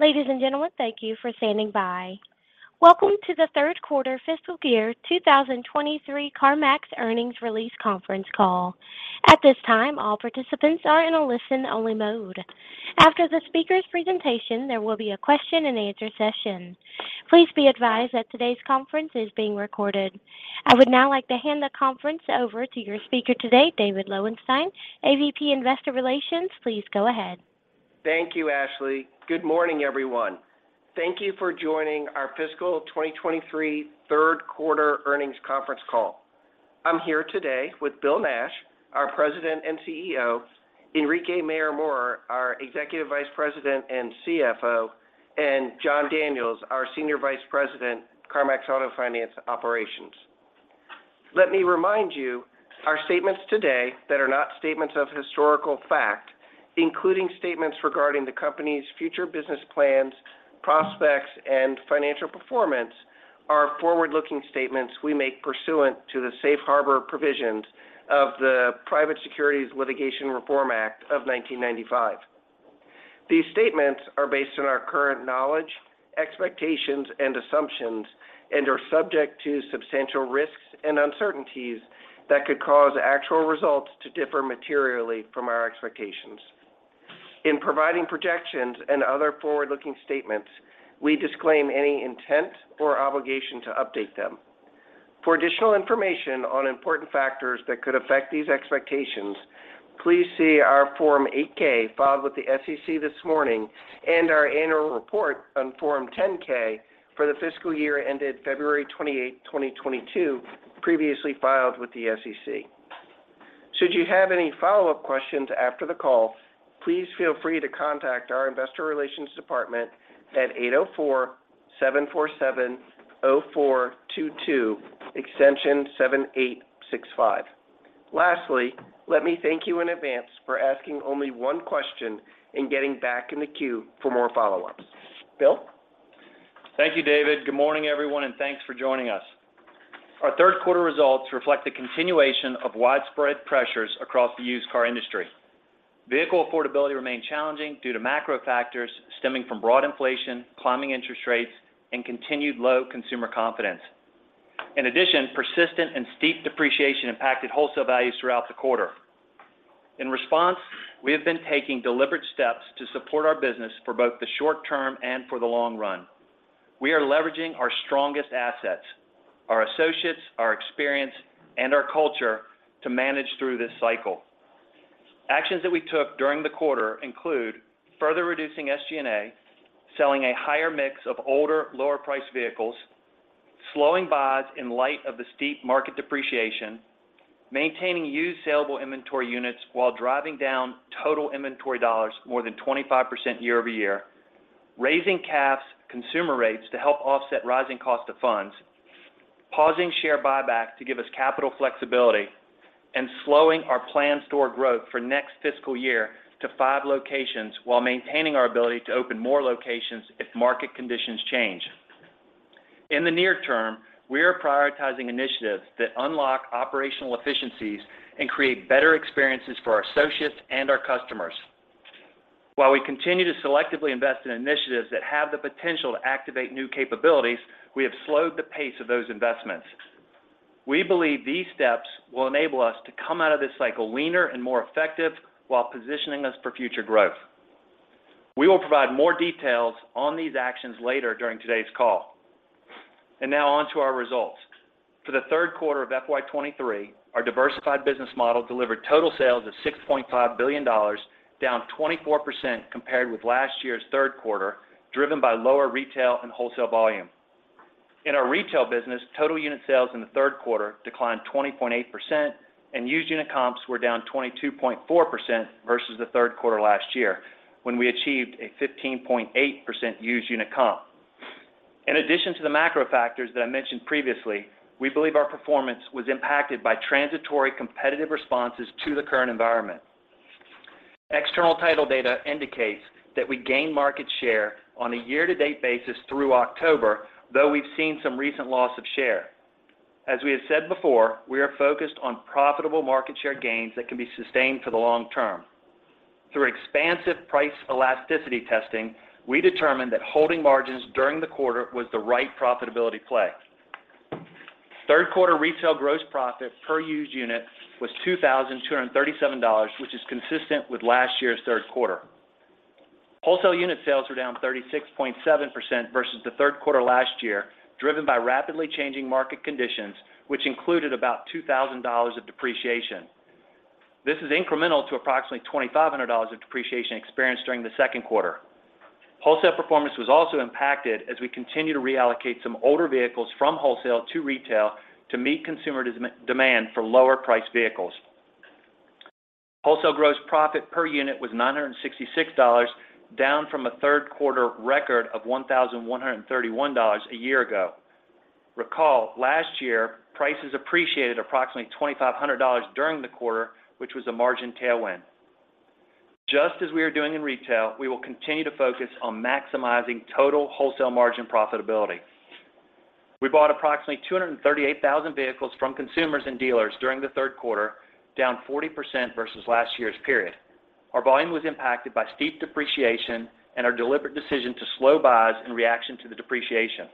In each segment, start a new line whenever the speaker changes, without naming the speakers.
Ladies and gentlemen, thank you for standing by. Welcome to the third quarter fiscal year 2023 CarMax earnings release conference call. At this time, all participants are in a listen-only mode. After the speaker's presentation, there will be a question-and-answer session. Please be advised that today's conference is being recorded. I would now like to hand the conference over to your speaker today, David Lowenstein, AVP Investor Relations. Please go ahead.
Thank you, Ashley. Good morning, everyone. Thank you for joining our fiscal 2023 third quarter earnings conference call. I'm here today with Bill Nash, our President and CEO, Enrique Mayor-Mora, our Executive Vice President and CFO, and Jon Daniels, our Senior Vice President, CarMax Auto Finance Operations. Let me remind you, our statements today that are not statements of historical fact, including statements regarding the company's future business plans, prospects, and financial performance, are forward-looking statements we make pursuant to the Safe Harbor Provisions of the Private Securities Litigation Reform Act of 1995. These statements are based on our current knowledge, expectations, and assumptions and are subject to substantial risks and uncertainties that could cause actual results to differ materially from our expectations. In providing projections and other forward-looking statements, we disclaim any intent or obligation to update them. For additional information on important factors that could affect these expectations, please see our Form 8-K filed with the SEC this morning and our annual report on Form 10-K for the fiscal year ended February 28, 2022, previously filed with the SEC. Should you have any follow-up questions after the call, please feel free to contact our Investor Relations Department at 804-747-0422 extension 7865. Lastly, let me thank you in advance for asking only one question and getting back in the queue for more follow-ups. Bill.
Thank you, David. Good morning, everyone, and thanks for joining us. Our third quarter results reflect the continuation of widespread pressures across the used car industry. Vehicle affordability remained challenging due to macro factors stemming from broad inflation, climbing interest rates, and continued low consumer confidence. In addition, persistent and steep depreciation impacted wholesale values throughout the quarter. In response, we have been taking deliberate steps to support our business for both the short term and for the long run. We are leveraging our strongest assets, our associates, our experience, and our culture to manage through this cycle. Actions that we took during the quarter include further reducing SG&A, selling a higher mix of older, lower-priced vehicles, slowing buys in light of the steep market depreciation, maintaining used saleable inventory units while driving down total inventory dollars more than 25% year-over-year, raising CAF's consumer rates to help offset rising cost of funds, pausing share buybacks to give us capital flexibility, and slowing our planned store growth for next fiscal year to five locations while maintaining our ability to open more locations if market conditions change. In the near term, we are prioritizing initiatives that unlock operational efficiencies and create better experiences for our associates and our customers. While we continue to selectively invest in initiatives that have the potential to activate new capabilities, we have slowed the pace of those investments. We believe these steps will enable us to come out of this cycle leaner and more effective while positioning us for future growth. We will provide more details on these actions later during today's call. Now on to our results. For the third quarter of FY23, our diversified business model delivered total sales of $6.5 billion, down 24% compared with last year's third quarter, driven by lower retail and wholesale volume. In our retail business, total unit sales in the third quarter declined 20.8% and used unit comps were down 22.4% versus the third quarter last year when we achieved a 15.8% used unit comp. In addition to the macro factors that I mentioned previously, we believe our performance was impacted by transitory competitive responses to the current environment. External title data indicates that we gained market share on a year-to-date basis through October, though we've seen some recent loss of share. As we have said before, we are focused on profitable market share gains that can be sustained for the long term. Through expansive price elasticity testing, we determined that holding margins during the quarter was the right profitability play. Third quarter retail gross profit per used unit was $2,237, which is consistent with last year's third quarter. Wholesale unit sales were down 36.7% versus the third quarter last year, driven by rapidly changing market conditions, which included about $2,000 of depreciation. This is incremental to approximately $2,500 of depreciation experienced during the second quarter. Wholesale performance was also impacted as we continue to reallocate some older vehicles from wholesale to retail to meet consumer demand for lower-priced vehicles. Wholesale gross profit per unit was $966, down from a third quarter record of $1,131 a year ago. Recall, last year, prices appreciated approximately $2,500 during the quarter, which was a margin tailwind. Just as we are doing in retail, we will continue to focus on maximizing total wholesale margin profitability. We bought approximately 238,000 vehicles from consumers and dealers during the third quarter, down 40% versus last year's period. Our volume was impacted by steep depreciation and our deliberate decision to slow buys in reaction to the depreciation.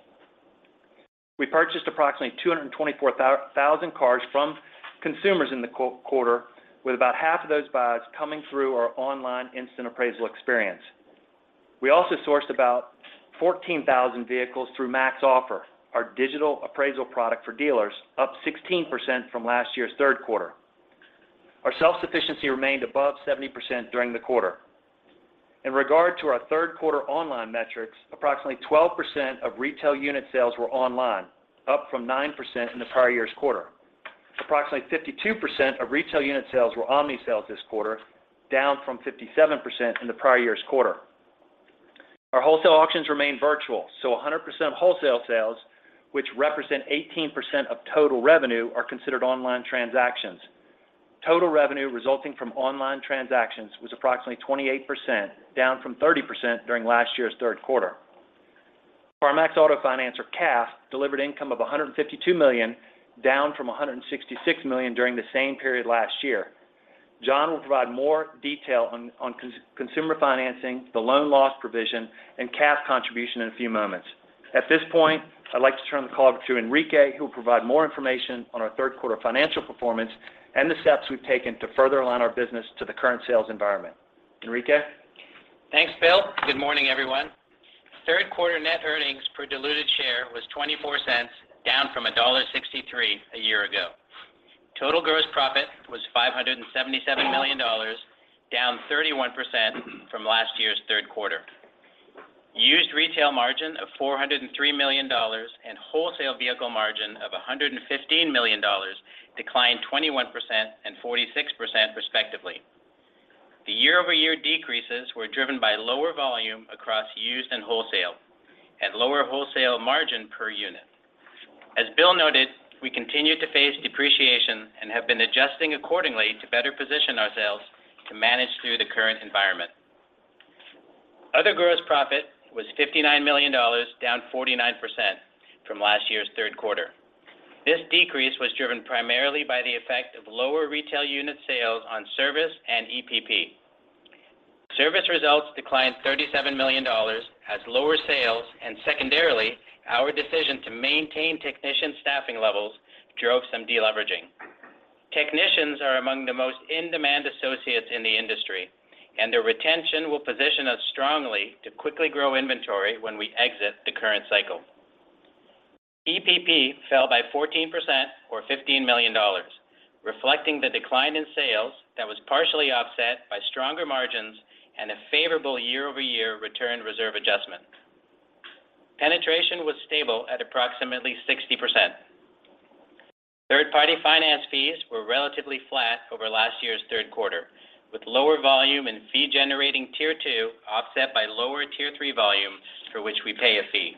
We purchased approximately 224,000 cars from consumers in the quarter, with about half of those buys coming through our online instant appraisal experience. We also sourced about 14,000 vehicles through Max Offer, our digital appraisal product for dealers, up 16% from last year's third quarter. Our self-sufficiency remained above 70% during the quarter. In regard to our third quarter online metrics, approximately 12% of retail unit sales were online, up from 9% in the prior year's quarter. Approximately 52% of retail unit sales were omni-sales this quarter, down from 57% in the prior year's quarter. Our wholesale auctions remain virtual, 100% of wholesale sales, which represent 18% of total revenue, are considered online transactions. Total revenue resulting from online transactions was approximately 28%, down from 30% during last year's third quarter. Our CarMax Auto Finance, CAF, delivered income of $152 million, down from $166 million during the same period last year. Jon will provide more detail on consumer financing, the loan loss provision, and CAF contribution in a few moments. This point, I'd like to turn the call over to Enrique, who will provide more information on our third quarter financial performance and the steps we've taken to further align our business to the current sales environment. Enrique?
Thanks, Bill. Good morning, everyone. Third quarter net earnings per diluted share was $0.24, down from $1.63 a year ago. Total gross profit was $577 million, down 31% from last year's third quarter. Used retail margin of $403 million and wholesale vehicle margin of $115 million declined 21% and 46% respectively. The year-over-year decreases were driven by lower volume across used and wholesale, and lower wholesale margin per unit. As Bill noted, we continue to face depreciation and have been adjusting accordingly to better position ourselves to manage through the current environment. Other gross profit was $59 million, down 49% from last year's third quarter. This decrease was driven primarily by the effect of lower retail unit sales on service and EPP. Service results declined $37 million as lower sales, and secondarily, our decision to maintain technician staffing levels drove some deleveraging. Technicians are among the most in-demand associates in the industry, and their retention will position us strongly to quickly grow inventory when we exit the current cycle. EPP fell by 14% or $15 million, reflecting the decline in sales that was partially offset by stronger margins and a favorable year-over-year return reserve adjustment. Penetration was stable at approximately 60%. Third-party finance fees were relatively flat over last year's third quarter, with lower volume in fee-generating Tier 2 offset by lower Tier 3 volume for which we pay a fee.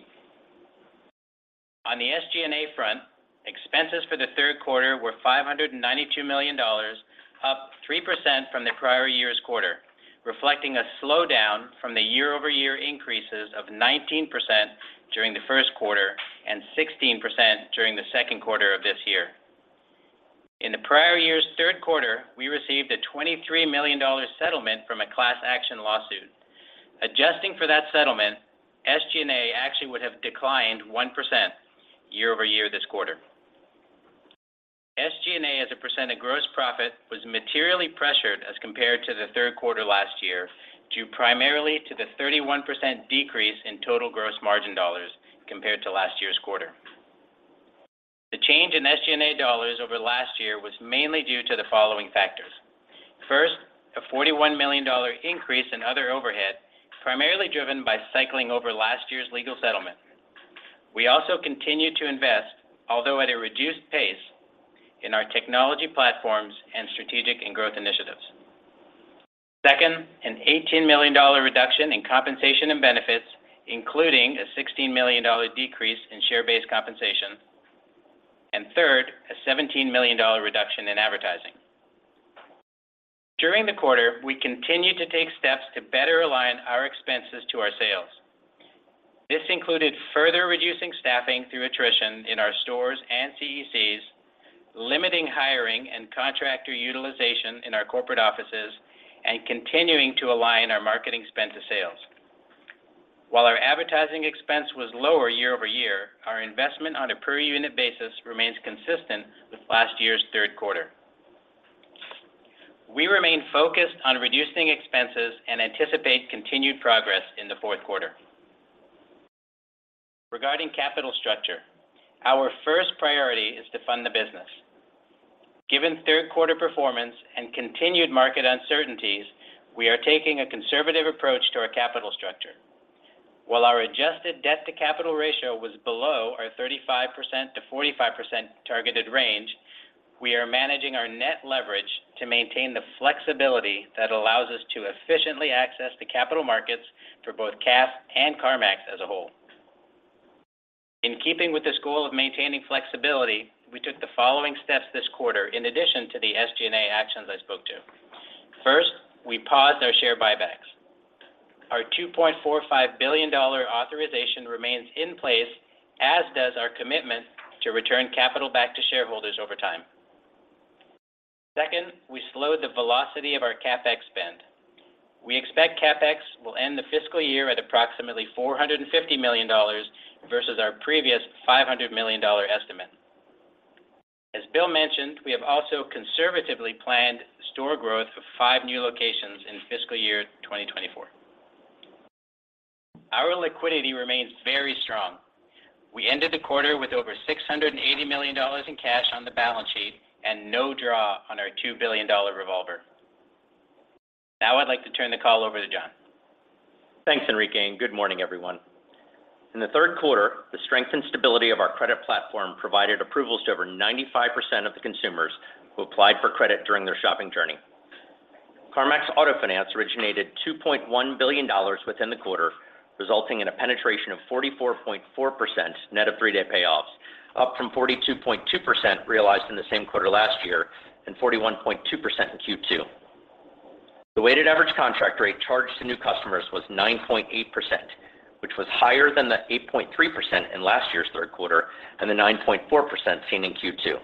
On the SG&A front, expenses for the third quarter were $592 million, up 3% from the prior year's quarter, reflecting a slowdown from the year-over-year increases of 19% during the first quarter and 16% during the second quarter of this year. In the prior year's third quarter, we received a $23 million settlement from a class action lawsuit. Adjusting for that settlement, SG&A actually would have declined 1% year-over-year this quarter. SG&A as a percent of gross profit was materially pressured as compared to the third quarter last year, due primarily to the 31% decrease in total gross margin dollars compared to last year's quarter. The change in SG&A dollars over last year was mainly due to the following factors. First, a $41 million increase in other overhead, primarily driven by cycling over last year's legal settlement. We also continued to invest, although at a reduced pace, in our technology platforms and strategic and growth initiatives. Second, an $18 million reduction in compensation and benefits, including a $16 million decrease in share-based compensation. Third, a $17 million reduction in advertising. During the quarter, we continued to take steps to better align our expenses to our sales. This included further reducing staffing through attrition in our stores and CECs, limiting hiring and contractor utilization in our corporate offices, and continuing to align our marketing spend to sales. While our advertising expense was lower year-over-year, our investment on a per unit basis remains consistent with last year's third quarter. We remain focused on reducing expenses and anticipate continued progress in the fourth quarter. Regarding capital structure, our first priority is to fund the business. Given third quarter performance and continued market uncertainties, we are taking a conservative approach to our capital structure. While our adjusted debt-to-capital ratio was below our 35%-45% targeted range, we are managing our net leverage to maintain the flexibility that allows us to efficiently access the capital markets for both CAF and CarMax as a whole. In keeping with this goal of maintaining flexibility, we took the following steps this quarter in addition to the SG&A actions I spoke to. First, we paused our share buybacks. Our $2.45 billion authorization remains in place, as does our commitment to return capital back to shareholders over time. Second, we slowed the velocity of our CapEx spend. We expect CapEx will end the fiscal year at approximately $450 million versus our previous $500 million estimate. As Bill mentioned, we have also conservatively planned store growth of five new locations in fiscal year 2024. Our liquidity remains very strong. We ended the quarter with over $680 million in cash on the balance sheet and no draw on our $2 billion revolver. I'd like to turn the call over to Jon.
Thanks, Enrique. Good morning, everyone. In the third quarter, the strength and stability of our credit platform provided approvals to over 95% of the consumers who applied for credit during their shopping journey. CarMax Auto Finance originated $2.1 billion within the quarter, resulting in a penetration of 44.4% net of three-day payoffs, up from 42.2% realized in the same quarter last year and 41.2% in Q2. The weighted average contract rate charged to new customers was 9.8%, which was higher than the 8.3% in last year's third quarter and the 9.4% seen in Q2.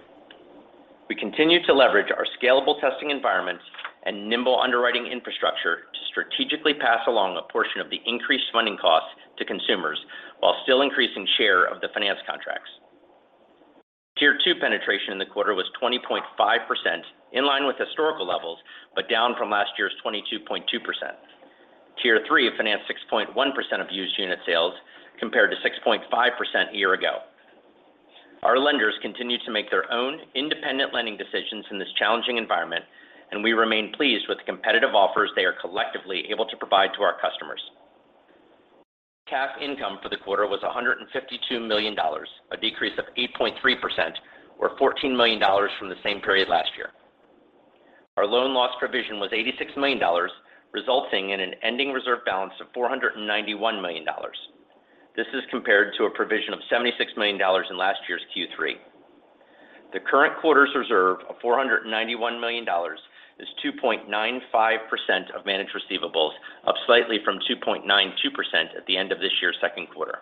We continue to leverage our scalable testing environments and nimble underwriting infrastructure to strategically pass along a portion of the increased funding costs to consumers while still increasing share of the finance contracts. Tier 2 penetration in the quarter was 20.5%, in line with historical levels, but down from last year's 22.2%. Tier 3 financed 6.1% of used unit sales compared to 6.5% a year ago. Our lenders continue to make their own independent lending decisions in this challenging environment, and we remain pleased with the competitive offers they are collectively able to provide to our customers. CAF income for the quarter was $152 million, a decrease of 8.3% or $14 million from the same period last year. Our loan loss provision was $86 million, resulting in an ending reserve balance of $491 million. This is compared to a provision of $76 million in last year's Q3. The current quarter's reserve of $491 million is 2.95% of managed receivables, up slightly from 2.92% at the end of this year's second quarter.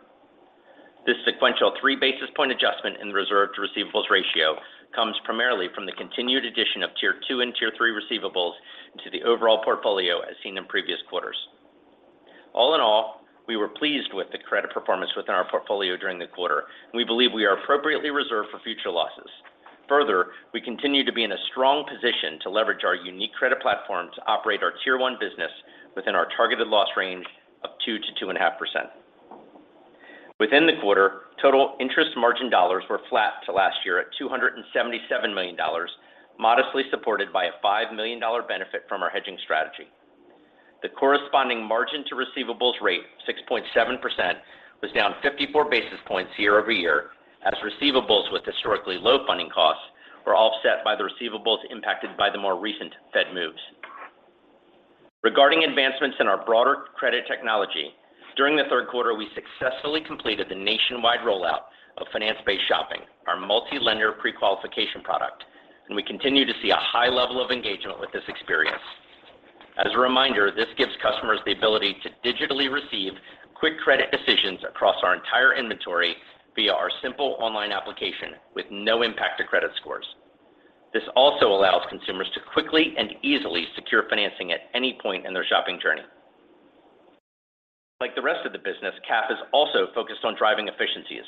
This sequential three basis point adjustment in the reserve-to-receivables ratio comes primarily from the continued addition of Tier 2 and Tier 3 receivables into the overall portfolio as seen in previous quarters. All in all, we were pleased with the credit performance within our portfolio during the quarter, and we believe we are appropriately reserved for future losses. Further, we continue to be in a strong position to leverage our unique credit platform to operate our tier one business within our targeted loss range of 2% to 2.5%. Within the quarter, total interest margin dollars were flat to last year at $277 million, modestly supported by a $5 million benefit from our hedging strategy. The corresponding margin-to-receivables rate, 6.7%, was down 54 basis points year-over-year as receivables with historically low funding costs were offset by the receivables impacted by the more recent Fed moves. Regarding advancements in our broader credit technology, during the third quarter, we successfully completed the nationwide rollout of finance-based shopping, our multi-lender prequalification product, and we continue to see a high level of engagement with this experience. As a reminder, this gives customers the ability to digitally receive quick credit decisions across our entire inventory via our simple online application with no impact to credit scores. This also allows consumers to quickly and easily secure financing at any point in their shopping journey. Like the rest of the business, CAF is also focused on driving efficiencies.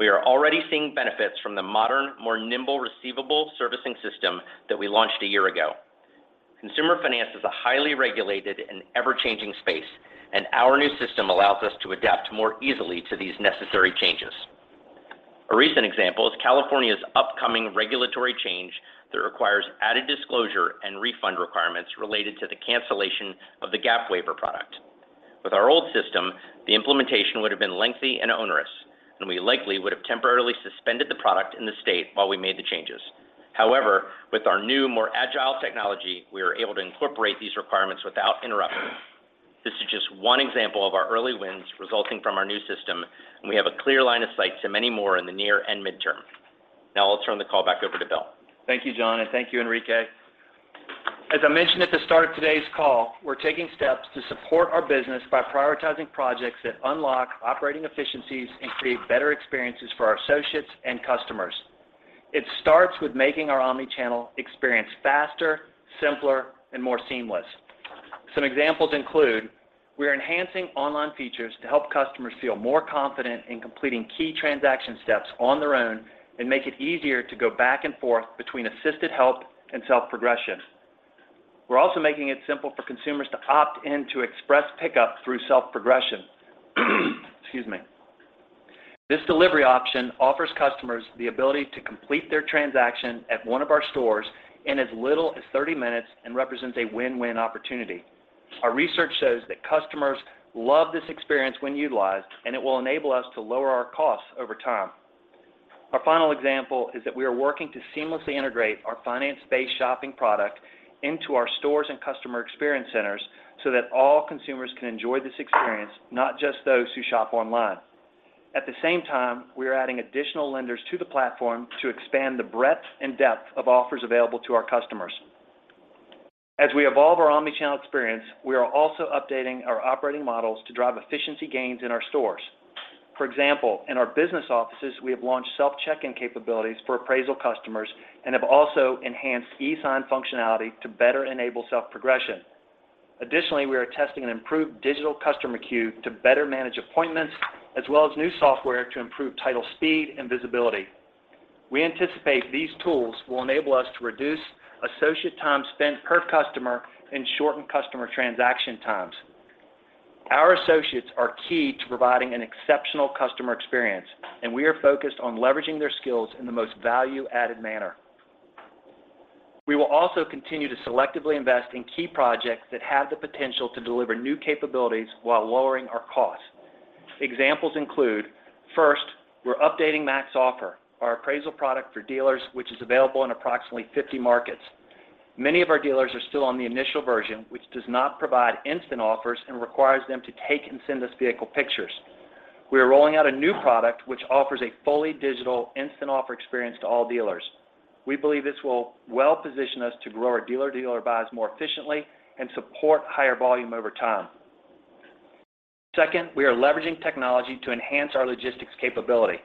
We are already seeing benefits from the modern, more nimble receivable servicing system that we launched a year ago. Consumer finance is a highly regulated and ever-changing space, and our new system allows us to adapt more easily to these necessary changes. A recent example is California's upcoming regulatory change that requires added disclosure and refund requirements related to the cancellation of the GAP waiver product. With our old system, the implementation would have been lengthy and onerous, and we likely would have temporarily suspended the product in the state while we made the changes. However, with our new, more agile technology, we are able to incorporate these requirements without interruption. This is just one example of our early wins resulting from our new system, and we have a clear line of sight to many more in the near and midterm. Now I'll turn the call back over to Bill.
Thank you, Jon, and thank you, Enrique. As I mentioned at the start of today's call, we're taking steps to support our business by prioritizing projects that unlock operating efficiencies and create better experiences for our associates and customers. It starts with making our omni-channel experience faster, simpler, and more seamless. Some examples include we're enhancing online features to help customers feel more confident in completing key transaction steps on their own and make it easier to go back and forth between assisted help and self-progression. We're also making it simple for consumers to opt in to Express Pickup through self-progression. Excuse me. This delivery option offers customers the ability to complete their transaction at one of our stores in as little as 30 minutes and represents a win-win opportunity. Our research shows that customers love this experience when utilized, and it will enable us to lower our costs over time. Our final example is that we are working to seamlessly integrate our finance-based shopping product into our stores and Customer Experience Centers so that all consumers can enjoy this experience, not just those who shop online. At the same time, we are adding additional lenders to the platform to expand the breadth and depth of offers available to our customers. As we evolve our omni-channel experience, we are also updating our operating models to drive efficiency gains in our stores. For example, in our business offices, we have launched self-check-in capabilities for appraisal customers and have also enhanced e-sign functionality to better enable self-progression. Additionally, we are testing an improved digital customer queue to better manage appointments as well as new software to improve title speed and visibility. We anticipate these tools will enable us to reduce associate time spent per customer and shorten customer transaction times. Our associates are key to providing an exceptional customer experience, and we are focused on leveraging their skills in the most value-added manner. We will also continue to selectively invest in key projects that have the potential to deliver new capabilities while lowering our costs. Examples include, first, we're updating Max Offer, our appraisal product for dealers, which is available in approximately 50 markets. Many of our dealers are still on the initial version, which does not provide instant offers and requires them to take and send us vehicle pictures. We are rolling out a new product which offers a fully digital instant offer experience to all dealers. We believe this will well position us to grow our dealer-to-dealer buys more efficiently and support higher volume over time. Second, we are leveraging technology to enhance our logistics capability.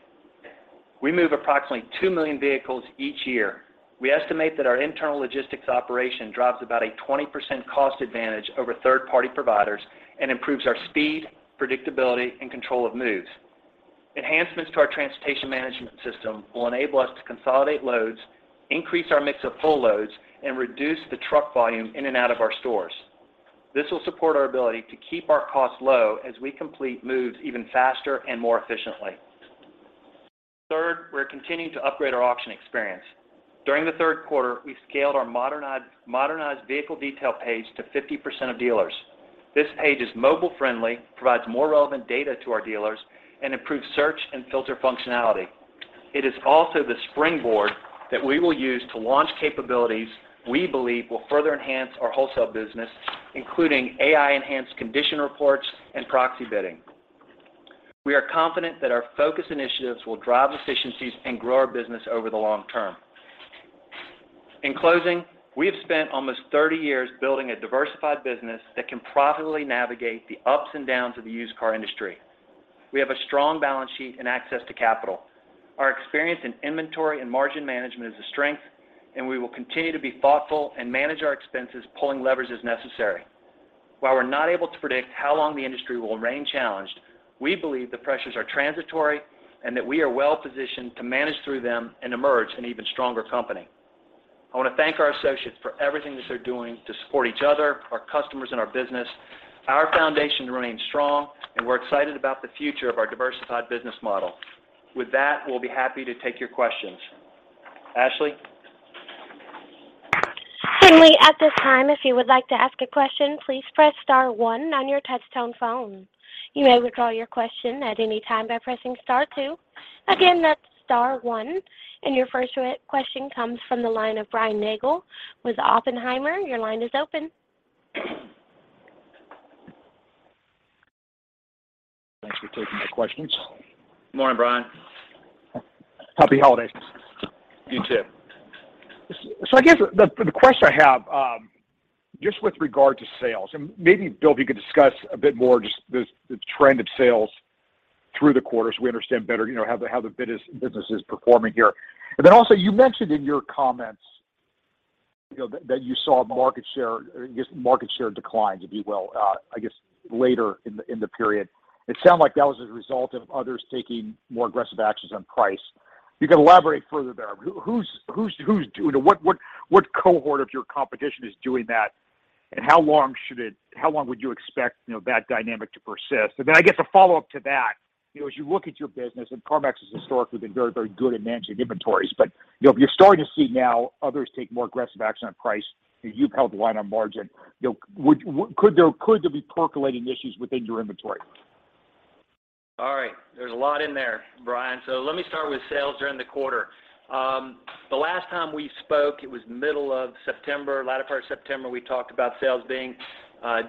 We move approximately two million vehicles each year. We estimate that our internal logistics operation drives about a 20% cost advantage over third-party providers and improves our speed, predictability and control of moves. Enhancements to our transportation management system will enable us to consolidate loads, increase our mix of full loads, and reduce the truck volume in and out of our stores. This will support our ability to keep our costs low as we complete moves even faster and more efficiently. Third, we're continuing to upgrade our auction experience. During the third quarter, we scaled our modernized vehicle detail page to 50% of dealers. This page is mobile-friendly, provides more relevant data to our dealers and improves search and filter functionality. It is also the springboard that we will use to launch capabilities we believe will further enhance our wholesale business, including AI-enhanced condition reports and proxy bidding. We are confident that our focus initiatives will drive efficiencies and grow our business over the long term. In closing, we have spent almost 30 years building a diversified business that can profitably navigate the ups and downs of the used car industry. We have a strong balance sheet and access to capital. Our experience in inventory and margin management is a strength, and we will continue to be thoughtful and manage our expenses, pulling levers as necessary. While we're not able to predict how long the industry will remain challenged, we believe the pressures are transitory and that we are well-positioned to manage through them and emerge an even stronger company. I want to thank our associates for everything that they're doing to support each other, our customers and our business. Our foundation remains strong and we're excited about the future of our diversified business model. With that, we'll be happy to take your questions. Ashley?
Certainly. At this time, if you would like to ask a question, please press star one on your touch tone phone. You may withdraw your question at any time by pressing star two. Again, that's star one. Your first question comes from the line of Brian Nagel with Oppenheimer. Your line is open.
Thanks for taking my questions.
Good morning, Brian.
Happy holidays.
You too.
I guess the question I have, just with regard to sales and maybe, Bill, if you could discuss a bit more just the trend of sales through the quarter so we understand better, you know, how the business is performing here? Also you mentioned in your comments, you know, that you saw market share, or I guess, market share decline, if you will, I guess later in the period. It sounded like that was as a result of others taking more aggressive actions on price. If you could elaborate further there? Who's? What cohort of your competition is doing that? How long would you expect, you know, that dynamic to persist? I guess a follow-up to that, you know, as you look at your business, and CarMax has historically been very, very good at managing inventories. You know, if you're starting to see now others take more aggressive action on price, and you've held the line on margin, you know, could there be percolating issues within your inventory?
Right. There's a lot in there, Brian. Let me start with sales during the quarter. The last time we spoke, it was middle of September, latter part of September. We talked about sales being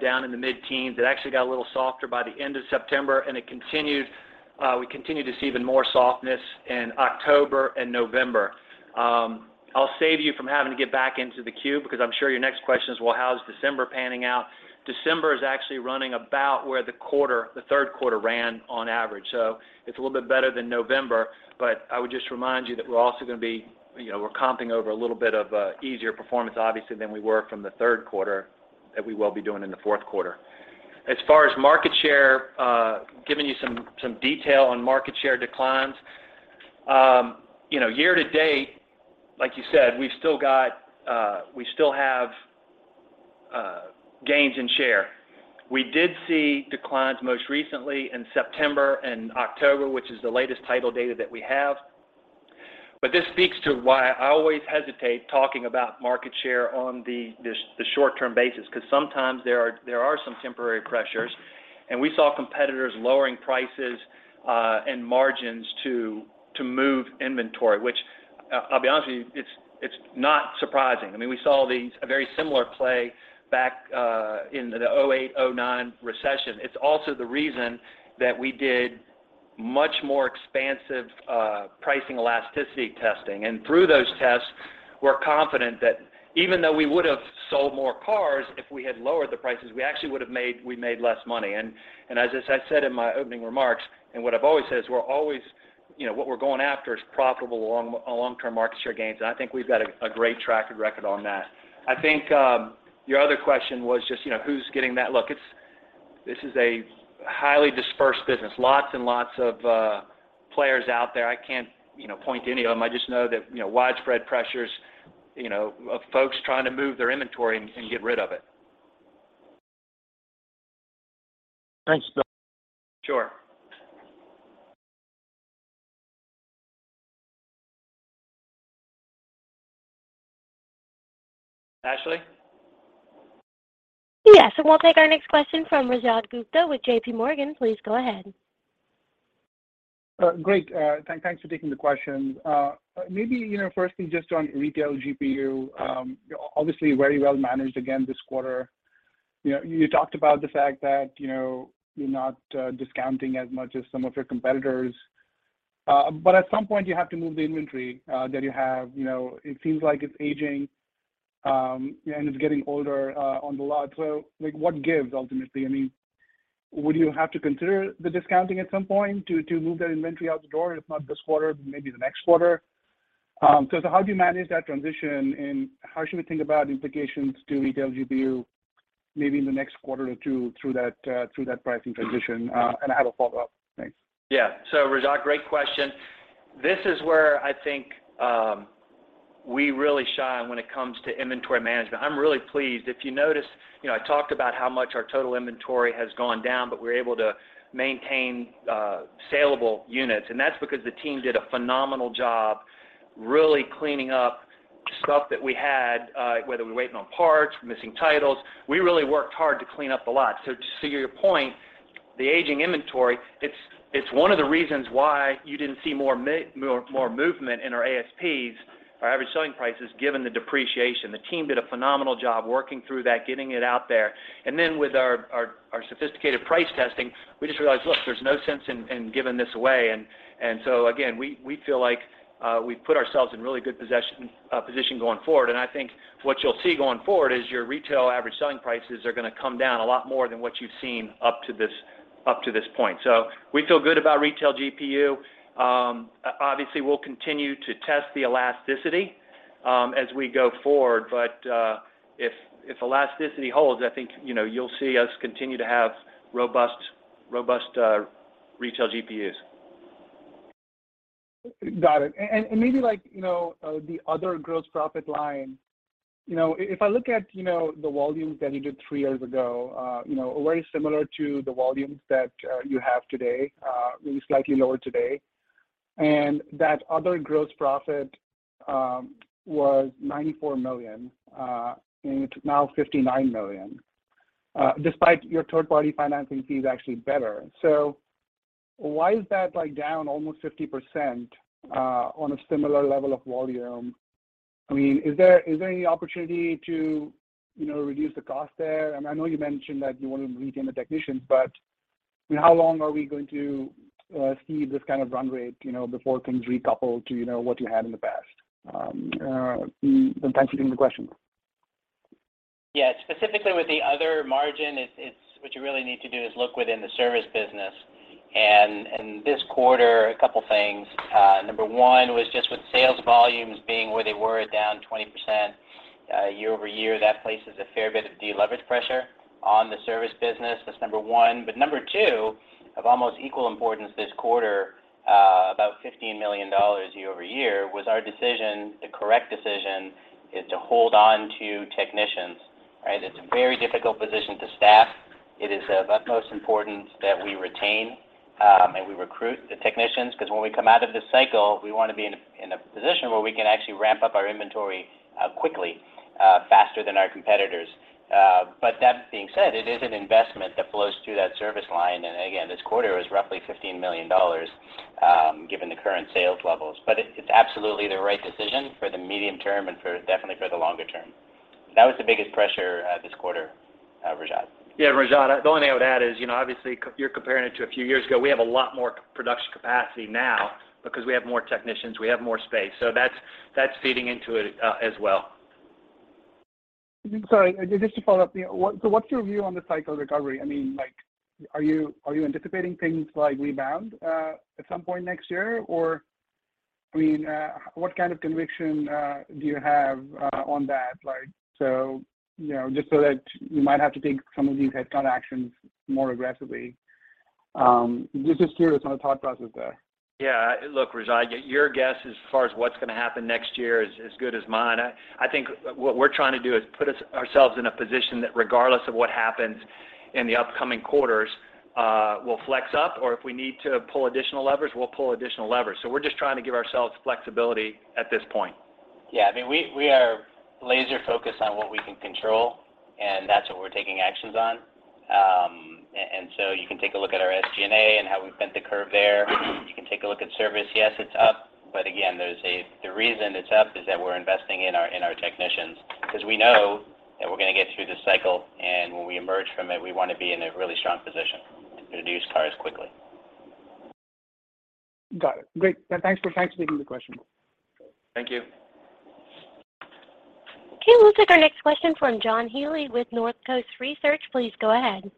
down in the mid-teens. It actually got a little softer by the end of September, and it continued to see even more softness in October and November. I'll save you from having to get back into the queue because I'm sure your next question is, well how is December panning out? December is actually running about where the quarter, the third quarter ran on average. It's a little bit better than November, but I would just remind you that we're also going to be, you know, we're comping over a little bit of easier performance obviously than we were from the third quarter that we will be doing in the fourth quarter. As far as market share, giving you some detail on market share declines. you know, year-to-date, like you said, we've still got, we still have gains in share. We did see declines most recently in September and October, which is the latest title data that we have. This speaks to why I always hesitate talking about market share on the short term basis, because sometimes there are some temporary pressures. We saw competitors lowering prices and margins to move inventory, which, I'll be honest with you, it's not surprising. I mean, we saw these, a very similar play back in the 2008, 2009 recession. It's also the reason that we did much more expansive pricing elasticity testing. Through those tests, we're confident that even though we would've sold more cars if we had lowered the prices, we actually would've made less money. As I said in my opening remarks, and what I've always said is we're always, you know, what we're going after is profitable long, long-term market share gains, and I think we've got a great track record on that. I think, your other question was just, you know, who's getting that. Look, this is a highly dispersed business. Lots and lots of players out there. I can't, you know, point to any of them. I just know that, you know, widespread pressures, you know, of folks trying to move their inventory and get rid of it.
Thanks, Bill.
Sure. Ashley?
Yes. We'll take our next question from Rajat Gupta with JPMorgan. Please go ahead.
Great. Thanks for taking the question. Maybe, you know, firstly, just on retail GPU, obviously very well managed again this quarter. You know, you talked about the fact that, you know, you're not discounting as much as some of your competitors. At some point you have to move the inventory that you have. You know, it seems like it's aging and it's getting older on the lot. Like, what gives ultimately? I mean, would you have to consider the discounting at some point to move that inventory out the door, if not this quarter, maybe the next quarter? So how do you manage that transition, and how should we think about implications to retail GPU maybe in the next quarter or two through that pricing transition? I have a follow-up. Thanks.
Yeah. Rajat, great question. This is where I think we really shine when it comes to inventory management. I'm really pleased. If you notice, you know, I talked about how much our total inventory has gone down, but we're able to maintain saleable units, and that's because the team did a phenomenal job really cleaning up stuff that we had, whether we're waiting on parts, missing titles. We really worked hard to clean up the lot. To your point, the aging inventory, it's one of the reasons why you didn't see more movement in our ASPs, our average selling prices, given the depreciation. The team did a phenomenal job working through that, getting it out there. With our sophisticated price testing, we just realized, look, there's no sense in giving this away. Again, we feel like we've put ourselves in really good position going forward. I think what you'll see going forward is your retail average selling prices are gonna come down a lot more than what you've seen up to this point. We feel good about retail GPU. Obviously, we'll continue to test the elasticity as we go forward. If elasticity holds, I think, you know, you'll see us continue to have robust retail GPUs.
Got it. Maybe like, you know, the other gross profit line, you know, if I look at, you know, the volumes that you did 3 years ago, you know, very similar to the volumes that you have today, maybe slightly lower today, and that other gross profit was $94 million, and it's now $59 million, despite your third-party financing fee is actually better. Why is that, like, down almost 50% on a similar level of volume? I mean, is there any opportunity to, you know, reduce the cost there? I mean, I know you mentioned that you want to retain the technicians, but, I mean, how long are we going to see this kind of run rate, you know, before things recouple to, you know, what you had in the past? Thanks for taking the question?
Yeah. Specifically with the other margin, it's what you really need to do is look within the service business. This quarter, a couple things. Number one was just with sales volumes being where they were, down 20% year-over-year. That places a fair bit of deleverage pressure on the service business. That's number one. Number two, of almost equal importance this quarter, about $15 million year-over-year, was our decision, the correct decision, is to hold on to technicians, right? It's a very difficult position to staff. It is of utmost importance that we retain and we recruit the technicians, because when we come out of this cycle, we wanna be in a position where we can actually ramp up our inventory quickly, faster than our competitors. That being said, it is an investment that flows through that service line. Again, this quarter, it was roughly $15 million, given the current sales levels. It's absolutely the right decision for the medium term and for, definitely for the longer term. That was the biggest pressure, this quarter, Rajat.
Yeah, Rajat, the only thing I would add is, you know, obviously you're comparing it to a few years ago. We have a lot more production capacity now because we have more technicians, we have more space. That's feeding into it as well.
Sorry, just to follow up. You know, what's your view on the cycle recovery? I mean, like, are you anticipating things like rebound at some point next year? I mean, what kind of conviction do you have on that, like, you know, just so that you might have to take some of these headcount actions more aggressively. Just curious on the thought process there.
Yeah. Look, Rajat, your guess as far as what's gonna happen next year is good as mine. I think what we're trying to do is put ourselves in a position that regardless of what happens in the upcoming quarters, we'll flex up, or if we need to pull additional levers, we'll pull additional levers. We're just trying to give ourselves flexibility at this point.
Yeah. I mean, we are laser focused on what we can control, and that's what we're taking actions on. You can take a look at our SG&A and how we bent the curve there. You can take a look at service. Yes, it's up, but again, the reason it's up is that we're investing in our technicians because we know that we're gonna get through this cycle, and when we emerge from it, we wanna be in a really strong position to produce cars quickly.
Got it. Great. Thanks for taking the question.
Thank you.
Okay, we'll take our next question from John Healy with Northcoast Research. Please go ahead.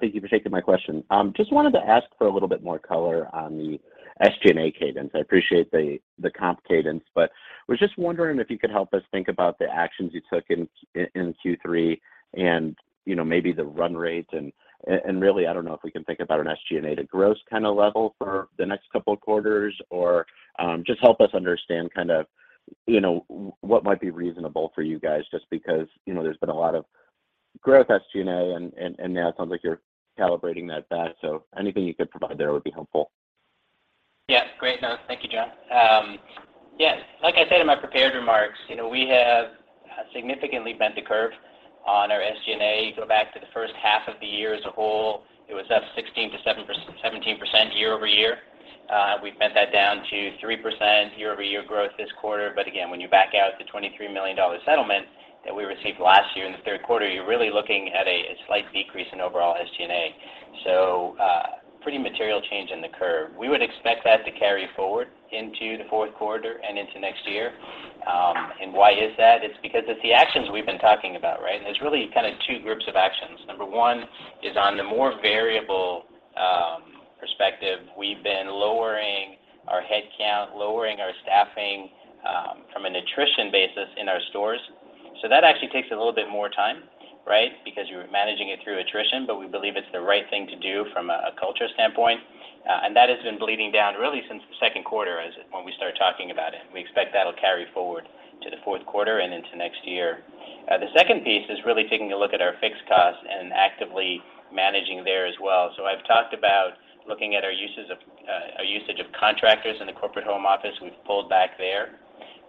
Thank you for taking my question. Just wanted to ask for a little bit more color on the SG&A cadence. I appreciate the comp cadence, but was just wondering if you could help us think about the actions you took in Q3 and, you know, maybe the run rates and really, I don't know if we can think about an SG&A to gross kinda level for the next couple of quarters or, just help us understand kind of, you know, what might be reasonable for you guys just because, you know, there's been a lot of growth SG&A and now it sounds like you're calibrating that back. Anything you could provide there would be helpful.
Yeah. Great note. Thank you, John. Yeah, like I said in my prepared remarks, you know, we have significantly bent the curve on our SG&A. You go back to the first half of the year as a whole, it was up 17% year-over-year. We bent that down to 3% year-over-year growth this quarter. Again, when you back out the $23 million settlement that we received last year in the third quarter, you're really looking at a slight decrease in overall SG&A. Pretty material change in the curve. We would expect that to carry forward into the fourth quarter and into next year. Why is that? It's because it's the actions we've been talking about, right? There's really kind of two groups of actions. Number one is on the more variable, perspective. We've been lowering our headcount, lowering our staffing, from an attrition basis in our stores. That actually takes a little bit more time, right? Because you're managing it through attrition, but we believe it's the right thing to do from a culture standpoint. That has been bleeding down really since the second quarter as when we started talking about it. We expect that'll carry forward to the fourth quarter and into next year. The second piece is really taking a look at our fixed costs and actively managing there as well. I've talked about looking at our uses of, our usage of contractors in the corporate home office. We've pulled back there,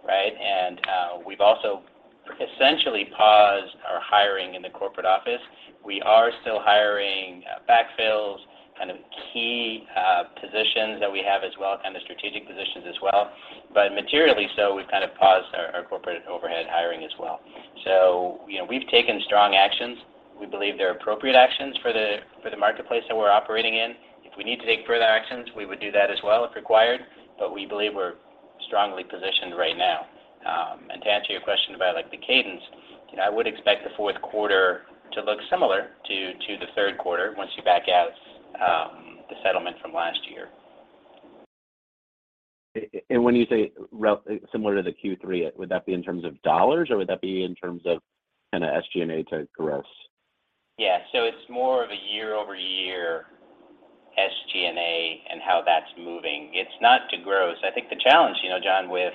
right? We've also essentially paused our hiring in the corporate office. We are still hiring, backfills, kind of key, positions that we have as well, kind of strategic positions as well. Materially so we've kind of paused our corporate overhead hiring as well. You know, we've taken strong actions. We believe they're appropriate actions for the, for the marketplace that we're operating in. If we need to take further actions, we would do that as well if required. We believe we're strongly positioned right now. To answer your question about, like, the cadence, you know, I would expect the fourth quarter to look similar to the third quarter once you back out the settlement from last year.
When you say similar to the Q3, would that be in terms of dollars or would that be in terms of kinda SG&A to gross?
Yeah. It's more of a year-over-year SG&A and how that's moving. It's not to gross. I think the challenge, you know, John, with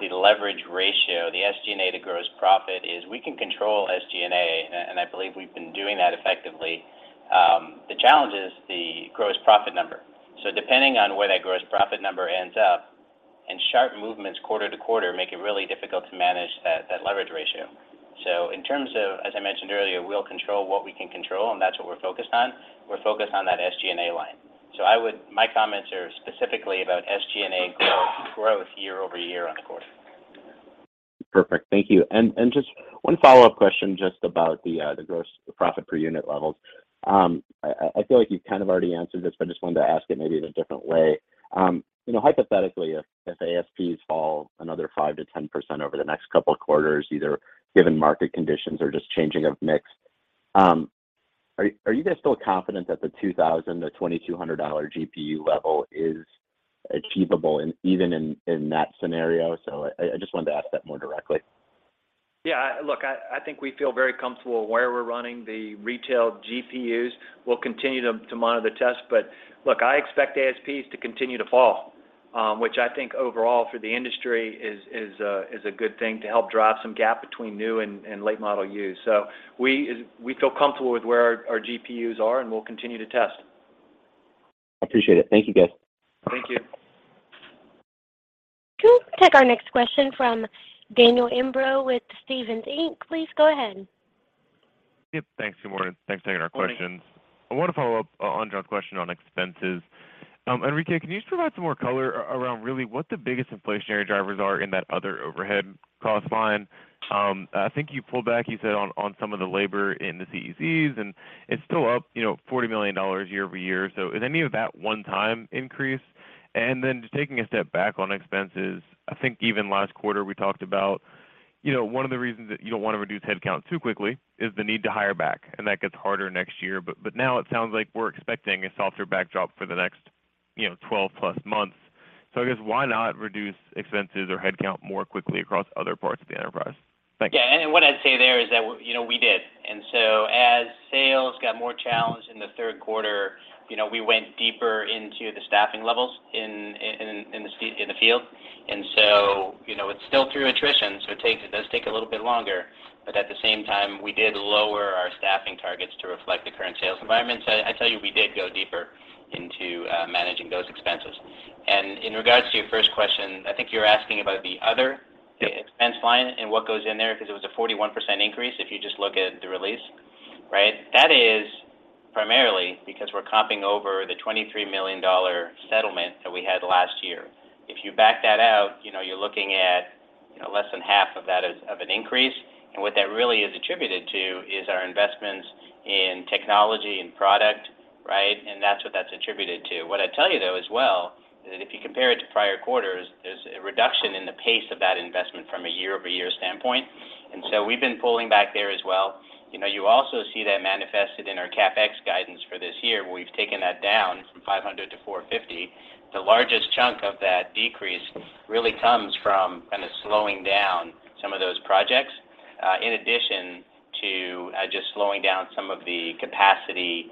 the leverage ratio, the SG&A to gross profit, is we can control SG&A, and I believe we've been doing that effectively. The challenge is the gross profit number. Depending on where that gross profit number ends up, and sharp movements quarter-over-quarter make it really difficult to manage that leverage ratio. In terms of, as I mentioned earlier, we'll control what we can control, and that's what we're focused on. We're focused on that SG&A line. My comments are specifically about SG&A growth year-over-year on the quarter.
Perfect. Thank you. Just one follow-up question just about the gross profit per unit levels. I feel like you've kind of already answered this, but I just wanted to ask it maybe in a different way. You know, hypothetically, if ASPs fall another 5%-10% over the next couple of quarters, either given market conditions or just changing of mix, are you guys still confident that the $2,000-$2,200 GPU level is achievable even in that scenario? I just wanted to ask that more directly.
I think we feel very comfortable where we're running the retail GPUs. We'll continue to monitor the test. I expect ASPs to continue to fall, which I think overall for the industry is a good thing to help drive some gap between new and late model Us. We feel comfortable with where our GPUs are, and we'll continue to test.
Appreciate it. Thank you, guys.
Thank you.
We'll take our next question from Daniel Imbro with Stephens Inc. Please go ahead.
Yep. Thanks. Good morning. Thanks for taking our questions.
Morning.
I wanna follow up on John's question on expenses. Enrique, can you just provide some more color around really what the biggest inflationary drivers are in that other overhead cost line? I think you pulled back, you said on some of the labor in the CECs, and it's still up, you know, $40 million year-over-year. Is any of that one-time increase? Then just taking a step back on expenses, I think even last quarter we talked about, you know, one of the reasons that you don't wanna reduce headcount too quickly is the need to hire back, and that gets harder next year. Now it sounds like we're expecting a softer backdrop for the next, you know, 12 plus months. I guess why not reduce expenses or headcount more quickly across other parts of the enterprise? Thank you.
Yeah. What I'd say there is that, you know, we did. As sales got more challenged in the third quarter, you know, we went deeper into the staffing levels in the field. You know, it's still through attrition, so it does take a little bit longer. At the same time, we did lower our staffing targets to reflect the current sales environment. I tell you, we did go deeper into managing those expenses. In regards to your first question, I think you're asking about the other-
Yeah...
expense line and what goes in there because it was a 41% increase if you just look at the release, right? That is primarily because we're comping over the $23 million settlement that we had last year. If you back that out, you know, you're looking at, you know, less than half of that as of an increase. What that really is attributed to is our investments in technology and product, right? That's what that's attributed to. What I'd tell you, though, as well is that if you compare it to prior quarters, there's a reduction in the pace of that investment from a year-over-year standpoint. So we've been pulling back there as well. You know, you also see that manifested in our CapEx guidance for this year, where we've taken that down from $500 million to $450 million. The largest chunk of that decrease really comes from kind of slowing down some of those projects, in addition to, just slowing down some of the capacity,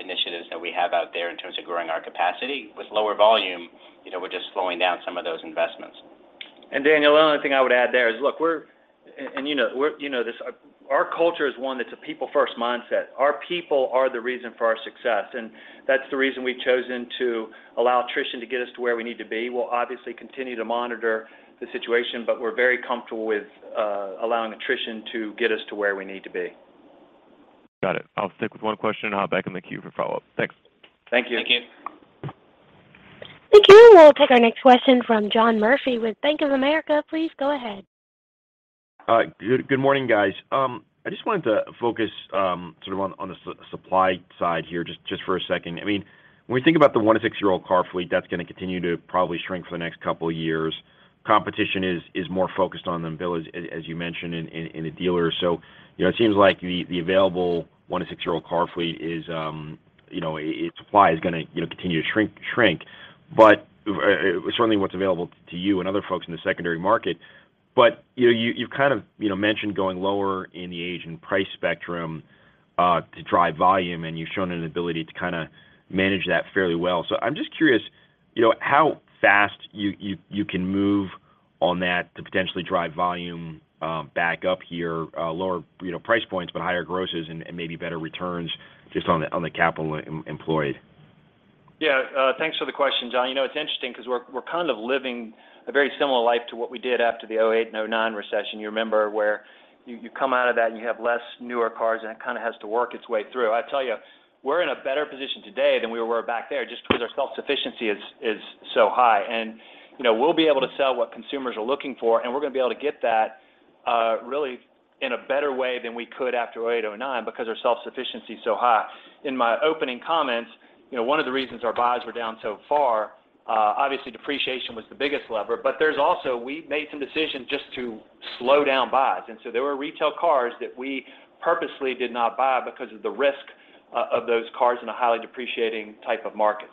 initiatives that we have out there in terms of growing our capacity. With lower volume, you know, we're just slowing down some of those investments.
Daniel, the only thing I would add there is, look. And you know, you know this. Our culture is one that's a people-first mindset. Our people are the reason for our success, and that's the reason we've chosen to allow attrition to get us to where we need to be. We'll obviously continue to monitor the situation, but we're very comfortable with allowing attrition to get us to where we need to be.
Got it. I'll stick with one question, and I'll back in the queue for follow-up. Thanks.
Thank you.
Thank you.
Thank you. We'll take our next question from John Murphy with Bank of America. Please go ahead.
Good morning, guys. I just wanted to focus sort of on the supply side here just for a second. I mean, when we think about the one to six-year-old car fleet, that's gonna continue to probably shrink for the next couple of years. Competition is more focused on them, Bill, as you mentioned in the dealers. You know, it seems like the available one to six-year-old car fleet is, you know, its supply is gonna, you know, continue to shrink. Certainly what's available to you and other folks in the secondary market. You know, you've kind of, you know, mentioned going lower in the age and price spectrum, to drive volume, and you've shown an ability to kinda manage that fairly well. I'm just curious, you know, how fast you can move on that to potentially drive volume back up here, lower, you know, price points, but higher grosses and maybe better returns just on the capital employed.
Thanks for the question, John. You know, it's interesting 'cause we're kind of living a very similar life to what we did after the 2008 and 2009 recession. You remember where you come out of that and you have less newer cars, and it kind of has to work its way through. I tell you, we're in a better position today than we were back there just because our self-sufficiency is so high. you know, we'll be able to sell what consumers are looking for, and we're gonna be able to get that really in a better way than we could after 2008, 2009 because our self-sufficiency is so high. In my opening comments, you know, one of the reasons our buys were down so far, obviously depreciation was the biggest lever. There's also, we made some decisions just to slow down buys. There were retail cars that we purposely did not buy because of the risk of those cars in a highly depreciating type of market.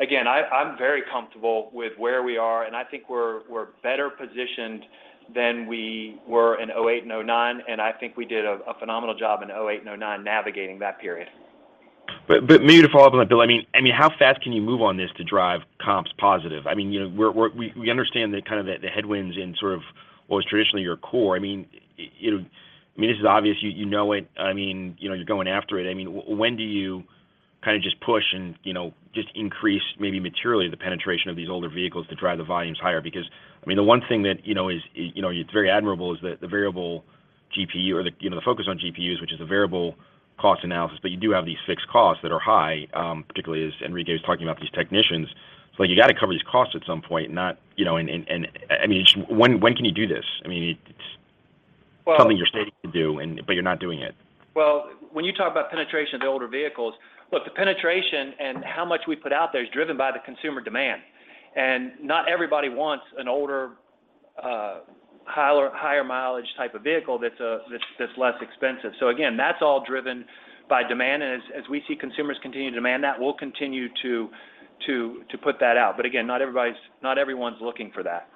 Again, I'm very comfortable with where we are, and I think we're better positioned than we were in 2008 and 2009, and I think we did a phenomenal job in 2008 and 2009 navigating that period.
Maybe to follow up on that, Bill. I mean, how fast can you move on this to drive comps positive? I mean, you know, we understand the kind of the headwinds in sort of what was traditionally your core. I mean, you know, I mean, this is obvious you know it. I mean, you know, you're going after it. I mean, when do you kinda just push and, you know, just increase maybe materially the penetration of these older vehicles to drive the volumes higher? Because, I mean, the one thing that, you know, is, you know, it's very admirable is the variable GPU or the, you know, the focus on GPUs, which is a variable cost analysis. You do have these fixed costs that are high, particularly as Enrique was talking about these technicians. You gotta cover these costs at some point, not, you know. I mean, when can you do this?
Well-...
something you're stating to do and, but you're not doing it.
Well, when you talk about penetration of the older vehicles, look, the penetration and how much we put out there is driven by the consumer demand. Not everybody wants an older, higher mileage type of vehicle that's less expensive. Again, that's all driven by demand. As we see consumers continue to demand that, we'll continue to put that out. Again, not everyone's looking for that.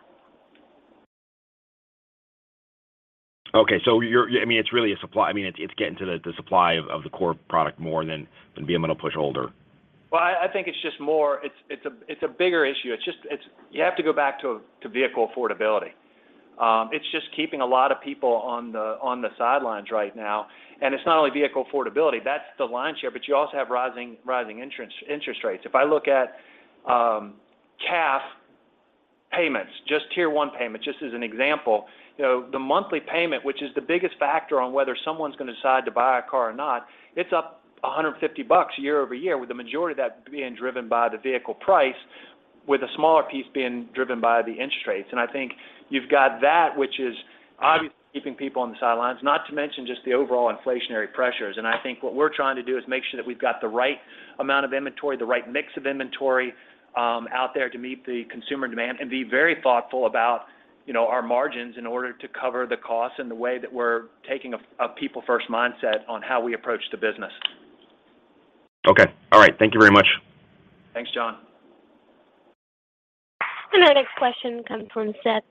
Okay. you're I mean, it's really a supply. I mean, it's getting to the supply of the core product more than being able to push older.
I think it's a bigger issue. You have to go back to vehicle affordability. It's just keeping a lot of people on the sidelines right now. It's not only vehicle affordability, that's the lion's share, but you also have rising interest rates. If I look at CAF payments, just Tier 1 payments, just as an example, you know, the monthly payment, which is the biggest factor on whether someone's gonna decide to buy a car or not, it's up $150 year-over-year, with the majority of that being driven by the vehicle price, with a smaller piece being driven by the interest rates. I think you've got that, which is obviously keeping people on the sidelines, not to mention just the overall inflationary pressures. I think what we're trying to do is make sure that we've got the right amount of inventory, the right mix of inventory, out there to meet the consumer demand and be very thoughtful about, you know, our margins in order to cover the costs and the way that we're taking a people first mindset on how we approach the business.
Okay. All right. Thank you very much.
Thanks, John.
Our next question comes from Seth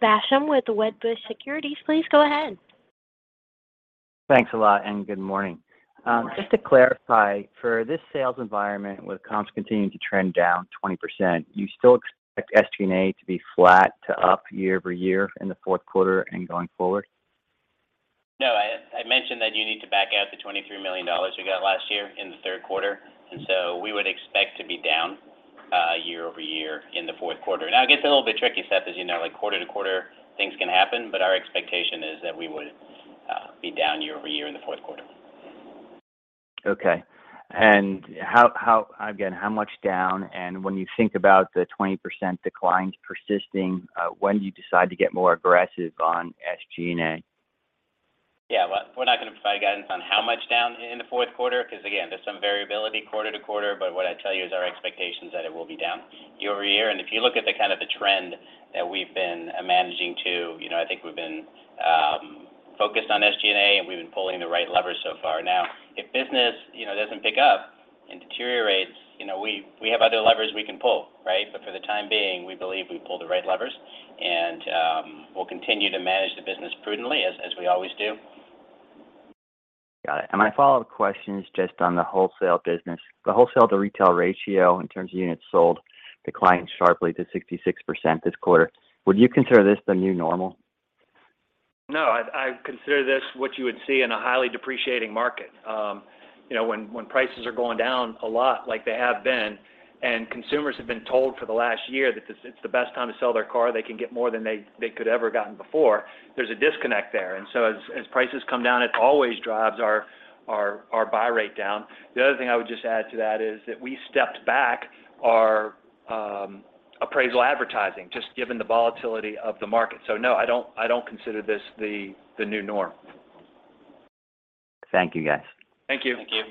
Basham with Wedbush Securities. Please go ahead.
Thanks a lot, and good morning.
Good morning.
Just to clarify, for this sales environment with comps continuing to trend down 20%, you still expect SG&A to be flat to up year-over-year in the fourth quarter and going forward?
No, I mentioned that you need to back out the $23 million we got last year in the third quarter. We would expect to be down year-over-year in the fourth quarter. It gets a little bit tricky, Seth, as you know, like quarter-to-quarter things can happen, but our expectation is that we would be down year-over-year in the fourth quarter.
Okay. And how... Again, how much down? And when you think about the 20% decline persisting, when do you decide to get more aggressive on SG&A?
Yeah, well, we're not gonna provide guidance on how much down in the fourth quarter, 'cause again, there's some variability quarter-to-quarter. What I'd tell you is our expectation is that it will be down year-over-year. If you look at the kind of the trend that we've been managing to, you know, I think we've been focused on SG&A, and we've been pulling the right levers so far. If business, you know, doesn't pick up and deteriorates, you know, we have other levers we can pull, right? For the time being, we believe we pull the right levers. We'll continue to manage the business prudently as we always do.
Got it. My follow-up question is just on the wholesale business. The wholesale to retail ratio in terms of units sold declined sharply to 66% this quarter. Would you consider this the new normal?
No, I'd consider this what you would see in a highly depreciating market. you know, when prices are going down a lot like they have been, and consumers have been told for the last year that it's the best time to sell their car, they can get more than they could ever gotten before. There's a disconnect there. As prices come down, it always drives our buy rate down. The other thing I would just add to that is that we stepped back our appraisal advertising, just given the volatility of the market. No, I don't consider this the new norm.
Thank you, guys.
Thank you.
Thank you.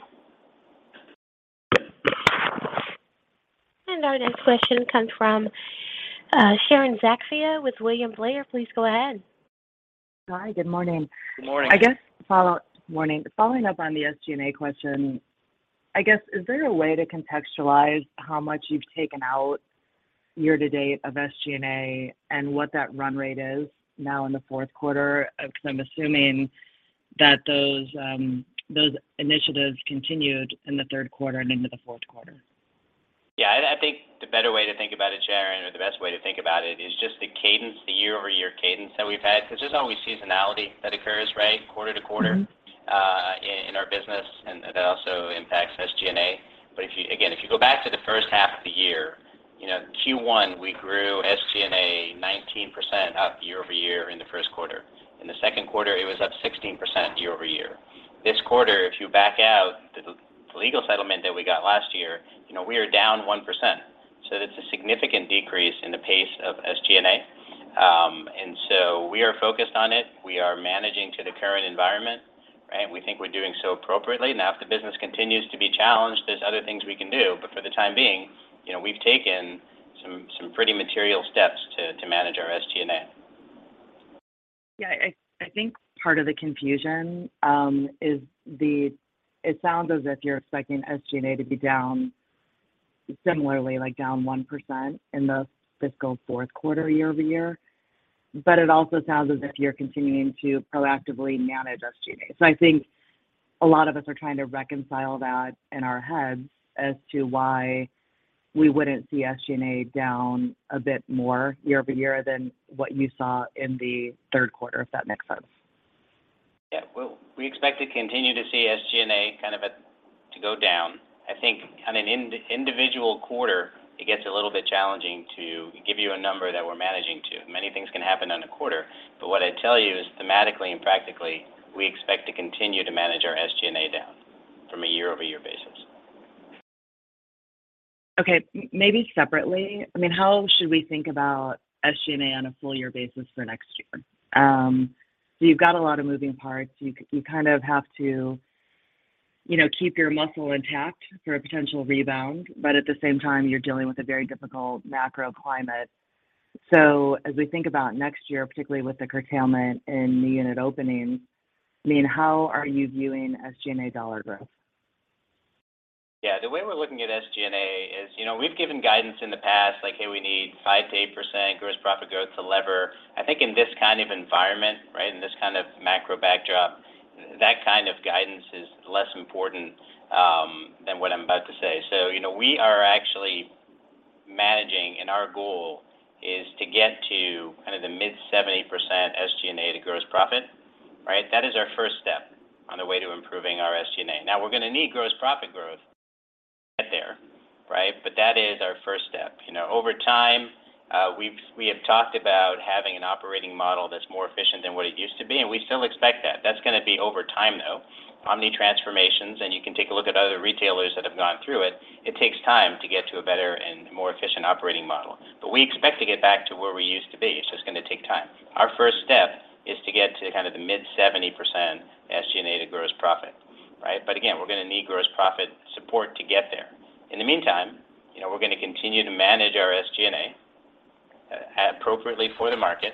Our next question comes from, Sharon Zackfia with William Blair. Please go ahead.
Hi. Good morning.
Good morning.
Morning. Following up on the SG&A question, I guess, is there a way to contextualize how much you've taken out year-to-date of SG&A and what that run rate is now in the fourth quarter? Because I'm assuming that those initiatives continued in the third quarter and into the fourth quarter.
Yeah. I think the better way to think about it, Sharon, or the best way to think about it is just the cadence, the year-over-year cadence that we've had. There's always seasonality that occurs, right, quarter-to-quarter.
Mm-hmm
in our business, and that also impacts SG&A. If you again, if you go back to the first half of the year, you know, Q1, we grew SG&A 19% up year-over-year in the first quarter. In the second quarter, it was up 16% year-over-year. This quarter, if you back out the legal settlement that we got last year, you know, we are down 1%. That's a significant decrease in the pace of SG&A. We are focused on it. We are managing to the current environment, right? We think we're doing so appropriately. Now, if the business continues to be challenged, there's other things we can do. For the time being, you know, we've taken some pretty material steps to manage our SG&A.
Yeah. I think part of the confusion, it sounds as if you're expecting SG&A to be down similarly, like down 1% in the fiscal fourth quarter year-over-year. It also sounds as if you're continuing to proactively manage SG&A. I think a lot of us are trying to reconcile that in our heads as to why we wouldn't see SG&A down a bit more year-over-year than what you saw in the third quarter, if that makes sense.
Yeah. Well, we expect to continue to see SG&A kind of to go down. I think on an individual quarter, it gets a little bit challenging to give you a number that we're managing to. Many things can happen on a quarter. What I'd tell you is thematically and practically, we expect to continue to manage our SG&A down from a year-over-year basis.
Okay. Maybe separately, I mean, how should we think about SG&A on a full year basis for next year? You've got a lot of moving parts. You kind of have to, you know, keep your muscle intact for a potential rebound, but at the same time, you're dealing with a very difficult macro climate. As we think about next year, particularly with the curtailment in the unit openings, I mean, how are you viewing SG&A dollar growth?
Yeah. The way we're looking at SG&A is, you know, we've given guidance in the past, like, hey, we need 5%-8% gross profit growth to lever. I think in this kind of environment, right, in this kind of macro backdrop, that kind of guidance is less important than what I'm about to say. You know, we are actually managing, and our goal is to get to kind of the mid 70% SG&A to gross profit. Right? That is our first step on the way to improving our SG&A. We're gonna need gross profit growth to get there, right? That is our first step. You know, over time, we have talked about having an operating model that's more efficient than what it used to be, and we still expect that. That's gonna be over time, though. omni transformations, you can take a look at other retailers that have gone through it takes time to get to a better and more efficient operating model. We expect to get back to where we used to be. It's just gonna take time. Our first step is to get to kind of the mid 70% SG&A to gross profit. Right? Again, we're gonna need gross profit support to get there. In the meantime, you know, we're gonna continue to manage our SG&A appropriately for the market,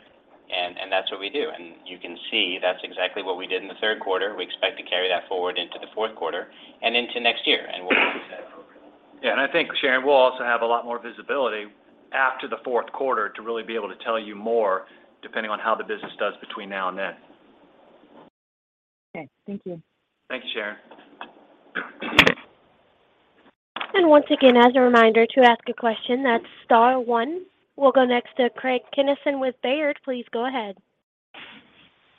and that's what we do. You can see that's exactly what we did in the third quarter. We expect to carry that forward into the fourth quarter and into next year, and we'll do that appropriately.
Yeah. I think, Sharon, we'll also have a lot more visibility after the fourth quarter to really be able to tell you more, depending on how the business does between now and then.
Okay. Thank you.
Thank you, Sharon.
Once again, as a reminder to ask a question, that's star one. We'll go next to Craig Kennison with Baird. Please go ahead.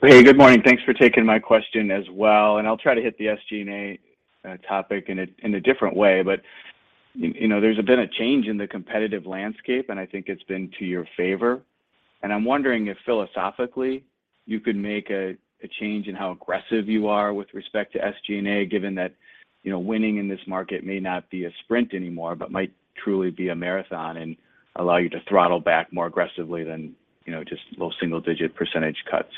Hey, good morning. Thanks for taking my question as well, and I'll try to hit the SG&A topic in a different way. But, you know, there's been a change in the competitive landscape, and I think it's been to your favor. I'm wondering if philosophically you could make a change in how aggressive you are with respect to SG&A, given that, you know, winning in this market may not be a sprint anymore, but might truly be a marathon and allow you to throttle back more aggressively than, you know, just those single-digit % cuts.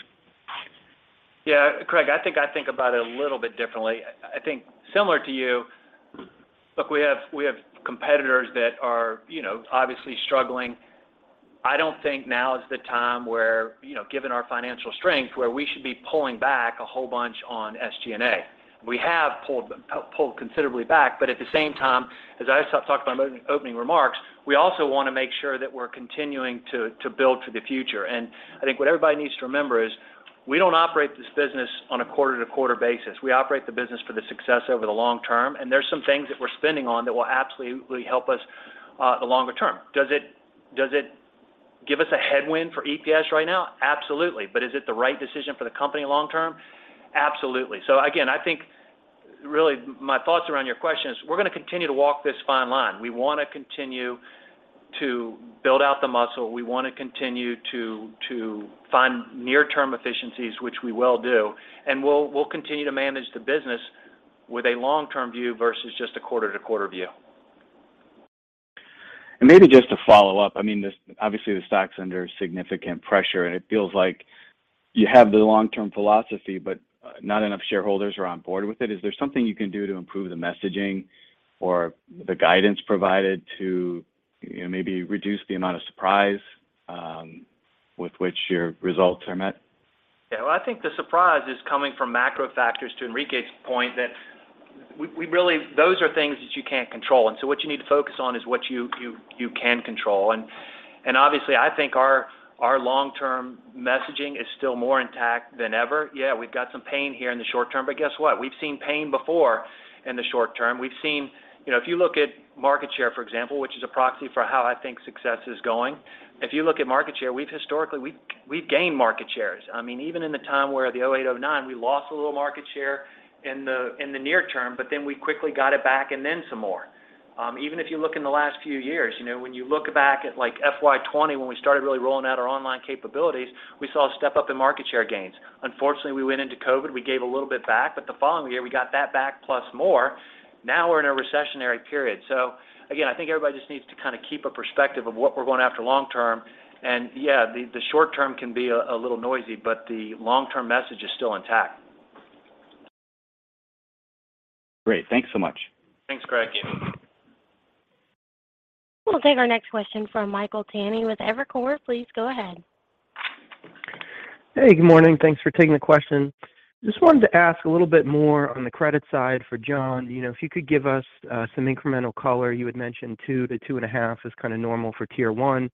Yeah, Craig, I think about it a little bit differently. I think similar to you. Look, we have competitors that are, you know, obviously struggling. I don't think now is the time where, you know, given our financial strength, where we should be pulling back a whole bunch on SG&A. We have pulled considerably back. At the same time, as I talked about in my opening remarks, we also want to make sure that we're continuing to build for the future. I think what everybody needs to remember is we don't operate this business on a quarter-to-quarter basis. We operate the business for the success over the long term, and there's some things that we're spending on that will absolutely help us the longer term. Does it give us a headwind for EPS right now? Absolutely. Is it the right decision for the company long term? Absolutely. Again, I think really my thoughts around your question is we're going to continue to walk this fine line. We want to continue to build out the muscle. We want to continue to find near-term efficiencies, which we will do, and we'll continue to manage the business with a long-term view versus just a quarter-to-quarter view.
Maybe just to follow up, I mean, obviously, the stock's under significant pressure, and it feels like you have the long-term philosophy, but not enough shareholders are on board with it. Is there something you can do to improve the messaging or the guidance provided to, you know, maybe reduce the amount of surprise with which your results are met?
Well, I think the surprise is coming from macro factors to Enrique's point that we really, those are things that you can't control. What you need to focus on is what you can control. Obviously, I think our long-term messaging is still more intact than ever. We've got some pain here in the short term, but guess what? We've seen pain before in the short term. We've seen. You know, if you look at market share, for example, which is a proxy for how I think success is going. If you look at market share, we've historically gained market shares. I mean, even in the time where the 2008, 2009, we lost a little market share in the near term, we quickly got it back and then some more. Even if you look in the last few years, you know, when you look back at like FY20, when we started really rolling out our online capabilities, we saw a step up in market share gains. Unfortunately, we went into COVID, we gave a little bit back, but the following year we got that back plus more. Now we're in a recessionary period. Again, I think everybody just needs to kind of keep a perspective of what we're going after long term. Yeah, the short term can be a little noisy, but the long-term message is still intact.
Great. Thanks so much.
Thanks, Craig.
We'll take our next question from Michael Montani with Evercore. Please go ahead.
Hey, good morning. Thanks for taking the question. Just wanted to ask a little bit more on the credit side for Jon. You know, if you could give us some incremental color. You had mentioned 2%-2.5% is kind of normal for Tier 1.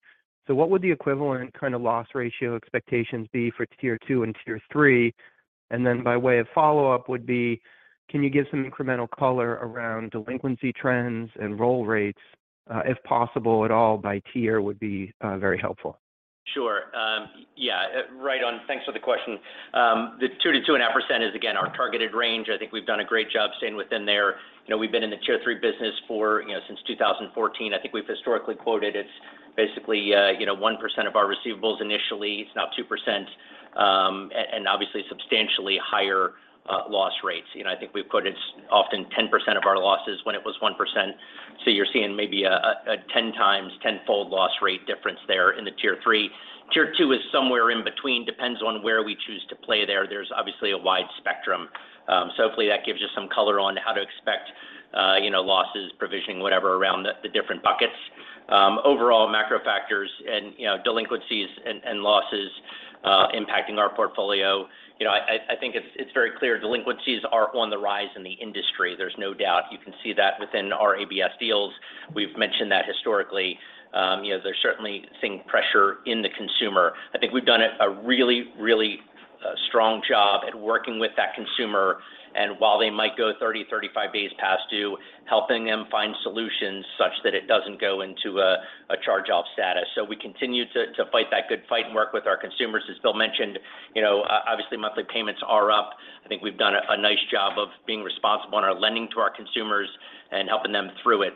What would the equivalent kind of loss ratio expectations be for Tier 2 and Tier 3? By way of follow-up would be, can you give some incremental color around delinquency trends and roll rates, if possible at all by tier would be very helpful.
Sure. Yeah, right on. Thanks for the question. The 2%-2.5% is again our targeted range. I think we've done a great job staying within there. You know, we've been in the Tier 3 business for, you know, since 2014. I think we've historically quoted it's basically, you know, 1% of our receivables initially. It's now 2%, and obviously substantially higher loss rates. You know, I think we've quoted often 10% of our losses when it was 1%. You're seeing maybe a 10 times tenfold loss rate difference there in the Tier 3. Tier 2 is somewhere in between, depends on where we choose to play there. There's obviously a wide spectrum. Hopefully that gives you some color on how to expect, you know, losses, provisioning, whatever around the different buckets. Overall macro factors and, you know, delinquencies and losses impacting our portfolio. You know, I think it's very clear delinquencies are on the rise in the industry. There's no doubt you can see that within our ABS deals. We've mentioned that historically. You know, there's certainly seeing pressure in the consumer. I think we've done a really strong job at working with that consumer. While they might go 30-35 days past due, helping them find solutions such that it doesn't go into a charge-off status. We continue to fight that good fight and work with our consumers. As Bill mentioned, you know, obviously monthly payments are up. I think we've done a nice job of being responsible in our lending to our consumers and helping them through it.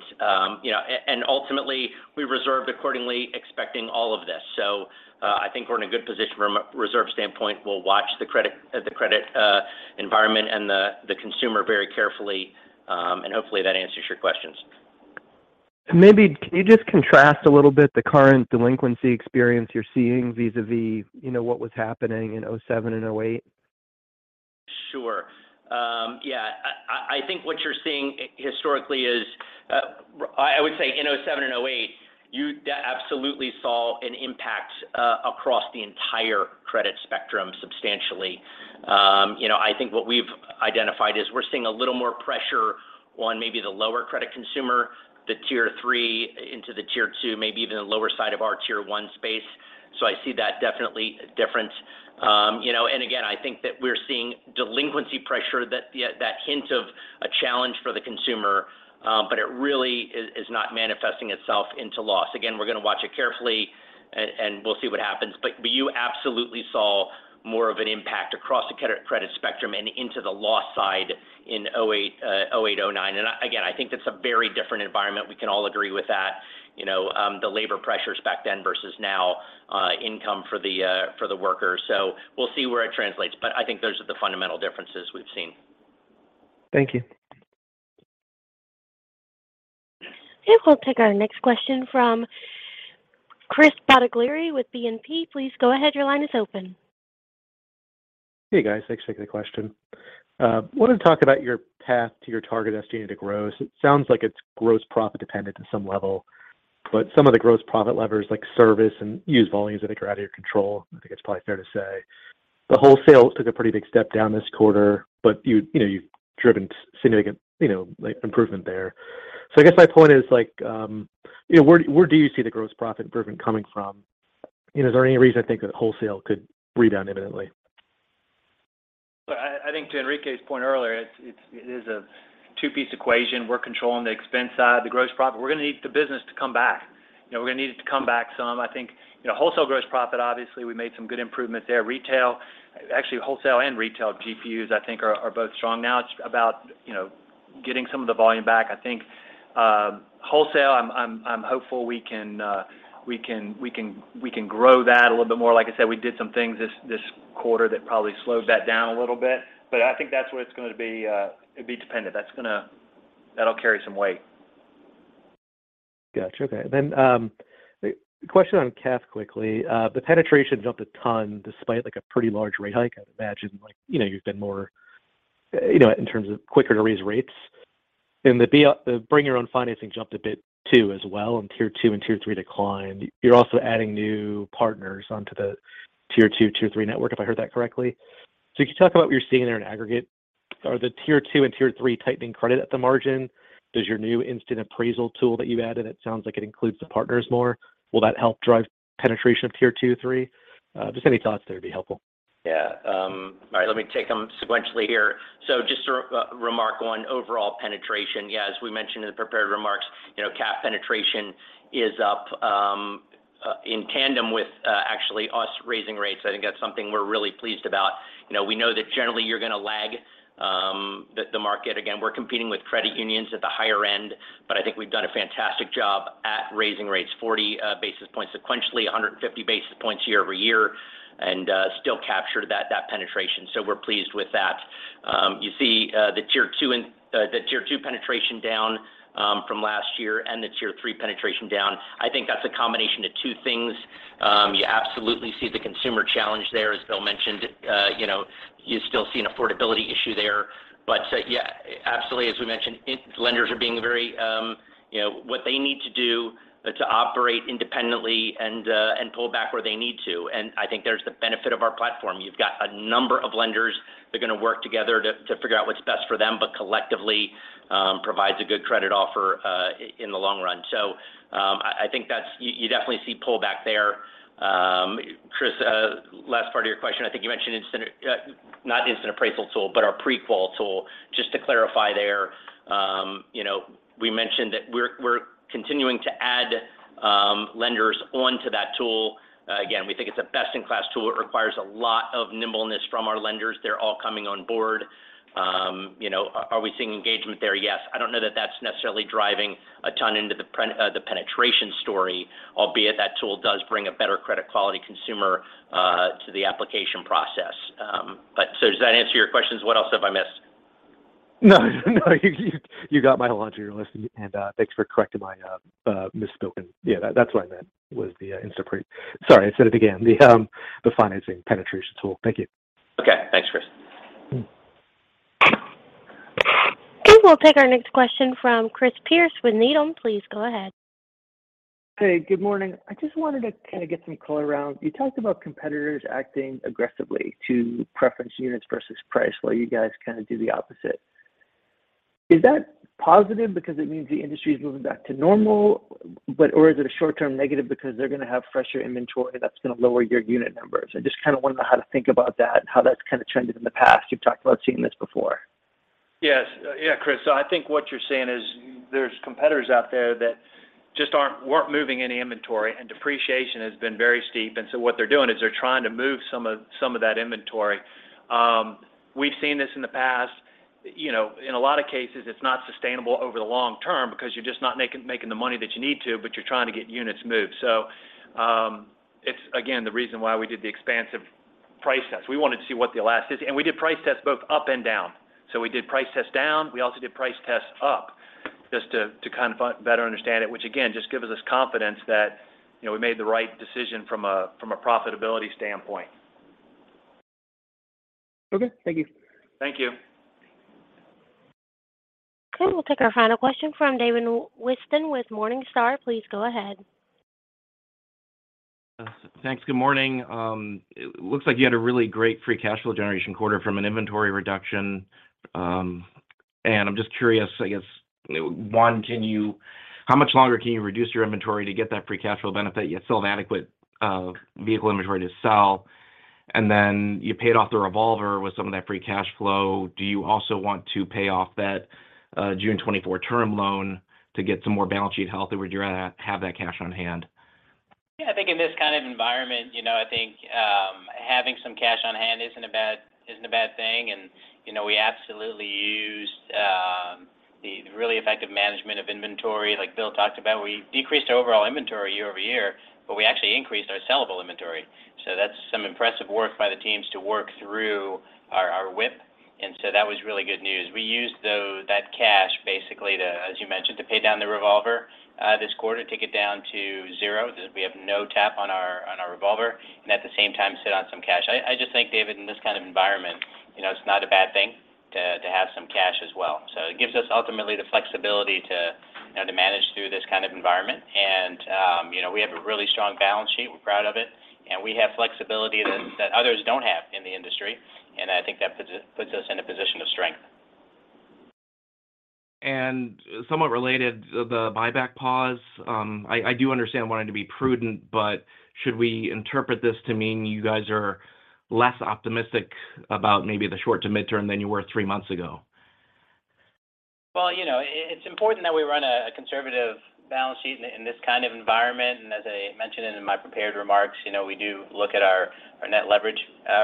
You know, ultimately, we reserved accordingly expecting all of this. I think we're in a good position from a reserve standpoint. We'll watch the credit environment and the consumer very carefully. Hopefully that answers your questions.
Maybe can you just contrast a little bit the current delinquency experience you're seeing vis-à-vis, you know, what was happening in 2007 and 2008?
Sure. Yeah. I think what you're seeing historically is, I would say in 2007 and 2008, you absolutely saw an impact across the entire credit spectrum substantially. You know, I think what we've identified is we're seeing a little more pressure on maybe the lower credit consumer, the Tier 3 into the Tier 2, maybe even the lower side of our Tier 1 space. I see that definitely different. You know, again, I think that we're seeing delinquency pressure that, yeah, that hint of a challenge for the consumer, but it really is not manifesting itself into loss. Again, we're going to watch it carefully and we'll see what happens. You absolutely saw more of an impact across the credit spectrum and into the loss side in 2008, 2009. Again, I think that's a very different environment. We can all agree with that. You know, the labor pressures back then versus now, income for the workers. We'll see where it translates. I think those are the fundamental differences we've seen.
Thank you.
Okay. We'll take our next question from Chris Bottiglieri with BNP. Please go ahead. Your line is open.
Hey, guys. Thanks for taking the question. wanted to talk about your path to your target estimated growth. It sounds like it's gross profit dependent at some level. Some of the gross profit levers like service and used volumes I think are out of your control. I think it's probably fair to say. The wholesale took a pretty big step down this quarter, but you know, you've driven significant, you know, like, improvement there. I guess my point is like, you know, where do you see the gross profit improvement coming from? You know, is there any reason to think that wholesale could rebound imminently?
I think to Enrique's point earlier, it's, it is a two-piece equation. We're controlling the expense side, the gross profit. We're gonna need the business to come back. You know, we're gonna need it to come back some. I think, you know, wholesale gross profit, obviously, we made some good improvement there. Actually, wholesale and retail GPUs, I think are both strong now. It's about, you know, getting some of the volume back. I think wholesale, I'm hopeful we can grow that a little bit more. Like I said, we did some things this quarter that probably slowed that down a little bit. I think that's where it's gonna be, it'd be dependent. That'll carry some weight.
Got you. Okay. A question on CAF quickly. The penetration jumped a ton despite, like, a pretty large rate hike. I would imagine, like, you know, you've been more, you know, in terms of quicker to raise rates. The bring your own financing jumped a bit too as well, and Tier 2 and Tier 3 declined. You're also adding new partners onto the Tier 2, Tier 3 network, if I heard that correctly. Can you talk about what you're seeing there in aggregate? Are the Tier 2 and Tier 3 tightening credit at the margin? Does your new instant appraisal tool that you added, it sounds like it includes the partners more. Will that help drive penetration of Tier 2, Three? Just any thoughts there would be helpful.
Yeah. All right, let me take them sequentially here. Just to remark on overall penetration. Yeah, as we mentioned in the prepared remarks, you know, CAF penetration is up, in tandem with actually us raising rates. I think that's something we're really pleased about. You know, we know that generally you're gonna lag the market. Again, we're competing with credit unions at the higher end, but I think we've done a fantastic job at raising rates 40 basis points sequentially, 150 basis points year-over-year, and still captured that penetration. We're pleased with that. You see the Tier 2 and the Tier 2 penetration down from last year and the Tier 3 penetration down. I think that's a combination of two things. You absolutely see the consumer challenge there, as Bill mentioned. You know, you still see an affordability issue there. Yeah, absolutely, as we mentioned, lenders are being very, you know, what they need to do to operate independently and pull back where they need to. I think there's the benefit of our platform. You've got a number of lenders that are gonna work together to figure out what's best for them, but collectively, provides a good credit offer in the long run. I think you definitely see pull back there. Chris, last part of your question, I think you mentioned not instant appraisal tool, but our pre-qual tool. Just to clarify there, you know, we mentioned that we're continuing to add lenders onto that tool. Again, we think it's a best-in-class tool. It requires a lot of nimbleness from our lenders. They're all coming on board. You know, are we seeing engagement there? Yes. I don't know that that's necessarily driving a ton into the penetration story, albeit that tool does bring a better credit quality consumer to the application process. Does that answer your questions? What else have I missed?
No. You got my whole laundry list and thanks for correcting my misspoken. Yeah, that's what I meant was the financing penetration tool. Thank you.
Okay. Thanks, Chris.
Mm-hmm.
Okay, we'll take our next question from Chris Pierce with Needham. Please go ahead.
Hey, good morning. I just wanted to kind of get some color around. You talked about competitors acting aggressively to preference units versus price while you guys kind of do the opposite. Is that positive because it means the industry is moving back to normal, or is it a short-term negative because they're gonna have fresher inventory that's gonna lower your unit numbers? I just kind of want to know how to think about that and how that's kind of trended in the past. You've talked about seeing this before.
Yes. Yeah, Chris. I think what you're saying is there's competitors out there that just weren't moving any inventory, and depreciation has been very steep. What they're doing is they're trying to move some of that inventory. We've seen this in the past. You know, in a lot of cases, it's not sustainable over the long term because you're just not making the money that you need to, but you're trying to get units moved. It's again, the reason why we did the expansive price test. We wanted to see what the elastic. We did price tests both up and down. We did price tests down. We also did price tests up just to kind of better understand it, which again, just gives us confidence that, you know, we made the right decision from a profitability standpoint.
Okay. Thank you.
Thank you.
Okay. We'll take our final question from David Whiston with Morningstar. Please go ahead.
Thanks. Good morning. It looks like you had a really great free cash flow generation quarter from an inventory reduction. I'm just curious, I guess, one, How much longer can you reduce your inventory to get that free cash flow benefit, yet still have adequate vehicle inventory to sell? Then you paid off the revolver with some of that free cash flow. Do you also want to pay off that June 2024 term loan to get some more balance sheet health, or would you rather have that cash on hand?
Yeah, I think in this kind of environment, you know, I think having some cash on hand isn't a bad, isn't a bad thing. You know, we absolutely used the really effective management of inventory like Bill talked about. We decreased our overall inventory year-over-year, but we actually increased our sellable inventory. That's some impressive work by the teams to work through our WIP. That was really good news. We used, though, that cash basically to, as you mentioned, to pay down the revolver this quarter, take it down to zero. We have no tap on our, on our revolver, and at the same time, sit on some cash. I just think, David, in this kind of environment, you know, it's not a bad thing to have some cash as well. It gives us ultimately the flexibility to, you know, to manage through this kind of environment. You know, we have a really strong balance sheet. We're proud of it, and we have flexibility that others don't have in the industry, and I think that puts us in a position of strength.
Somewhat related, the buyback pause. I do understand wanting to be prudent, but should we interpret this to mean you guys are less optimistic about maybe the short to midterm than you were three months ago?
You know, it's important that we run a conservative balance sheet in this kind of environment. As I mentioned in my prepared remarks, you know, we do look at our net leverage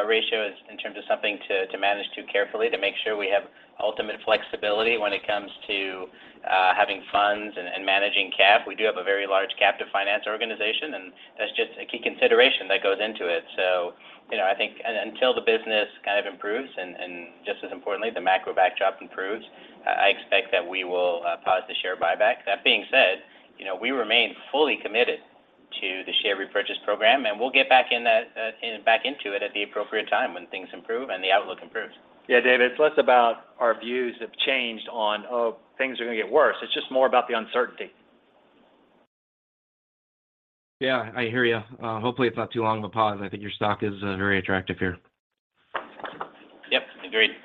ratio as in terms of something to manage to carefully to make sure we have ultimate flexibility when it comes to having funds and managing cap. We do have a very large captive finance organization, and that's just a key consideration that goes into it. You know, I think until the business kind of improves and just as importantly, the macro backdrop improves, I expect that we will pause the share buyback. That being said, you know, we remain fully committed to the share repurchase program, and we'll get back into it at the appropriate time when things improve and the outlook improves.
David, it's less about our views have changed on, oh, things are gonna get worse. It's just more about the uncertainty.
Yeah, I hear you. Hopefully it's not too long of a pause. I think your stock is very attractive here.
Yep, agreed.
Great.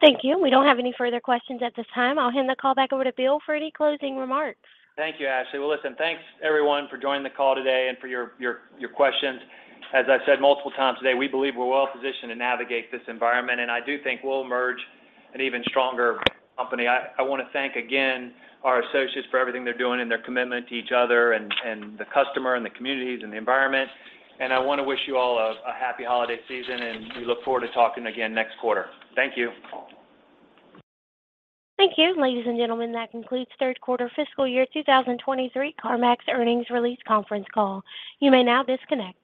Thank you. We don't have any further questions at this time. I'll hand the call back over to Bill for any closing remarks.
Thank you, Ashley. Well, listen, thanks everyone for joining the call today and for your questions. As I said multiple times today, we believe we're well positioned to navigate this environment, and I do think we'll emerge an even stronger company. I wanna thank again our associates for everything they're doing and their commitment to each other and the customer and the communities and the environment. I wanna wish you all a happy holiday season, and we look forward to talking again next quarter. Thank you.
Thank you. Ladies and gentlemen, that concludes third quarter fiscal year 2023 CarMax earnings release conference call. You may now disconnect.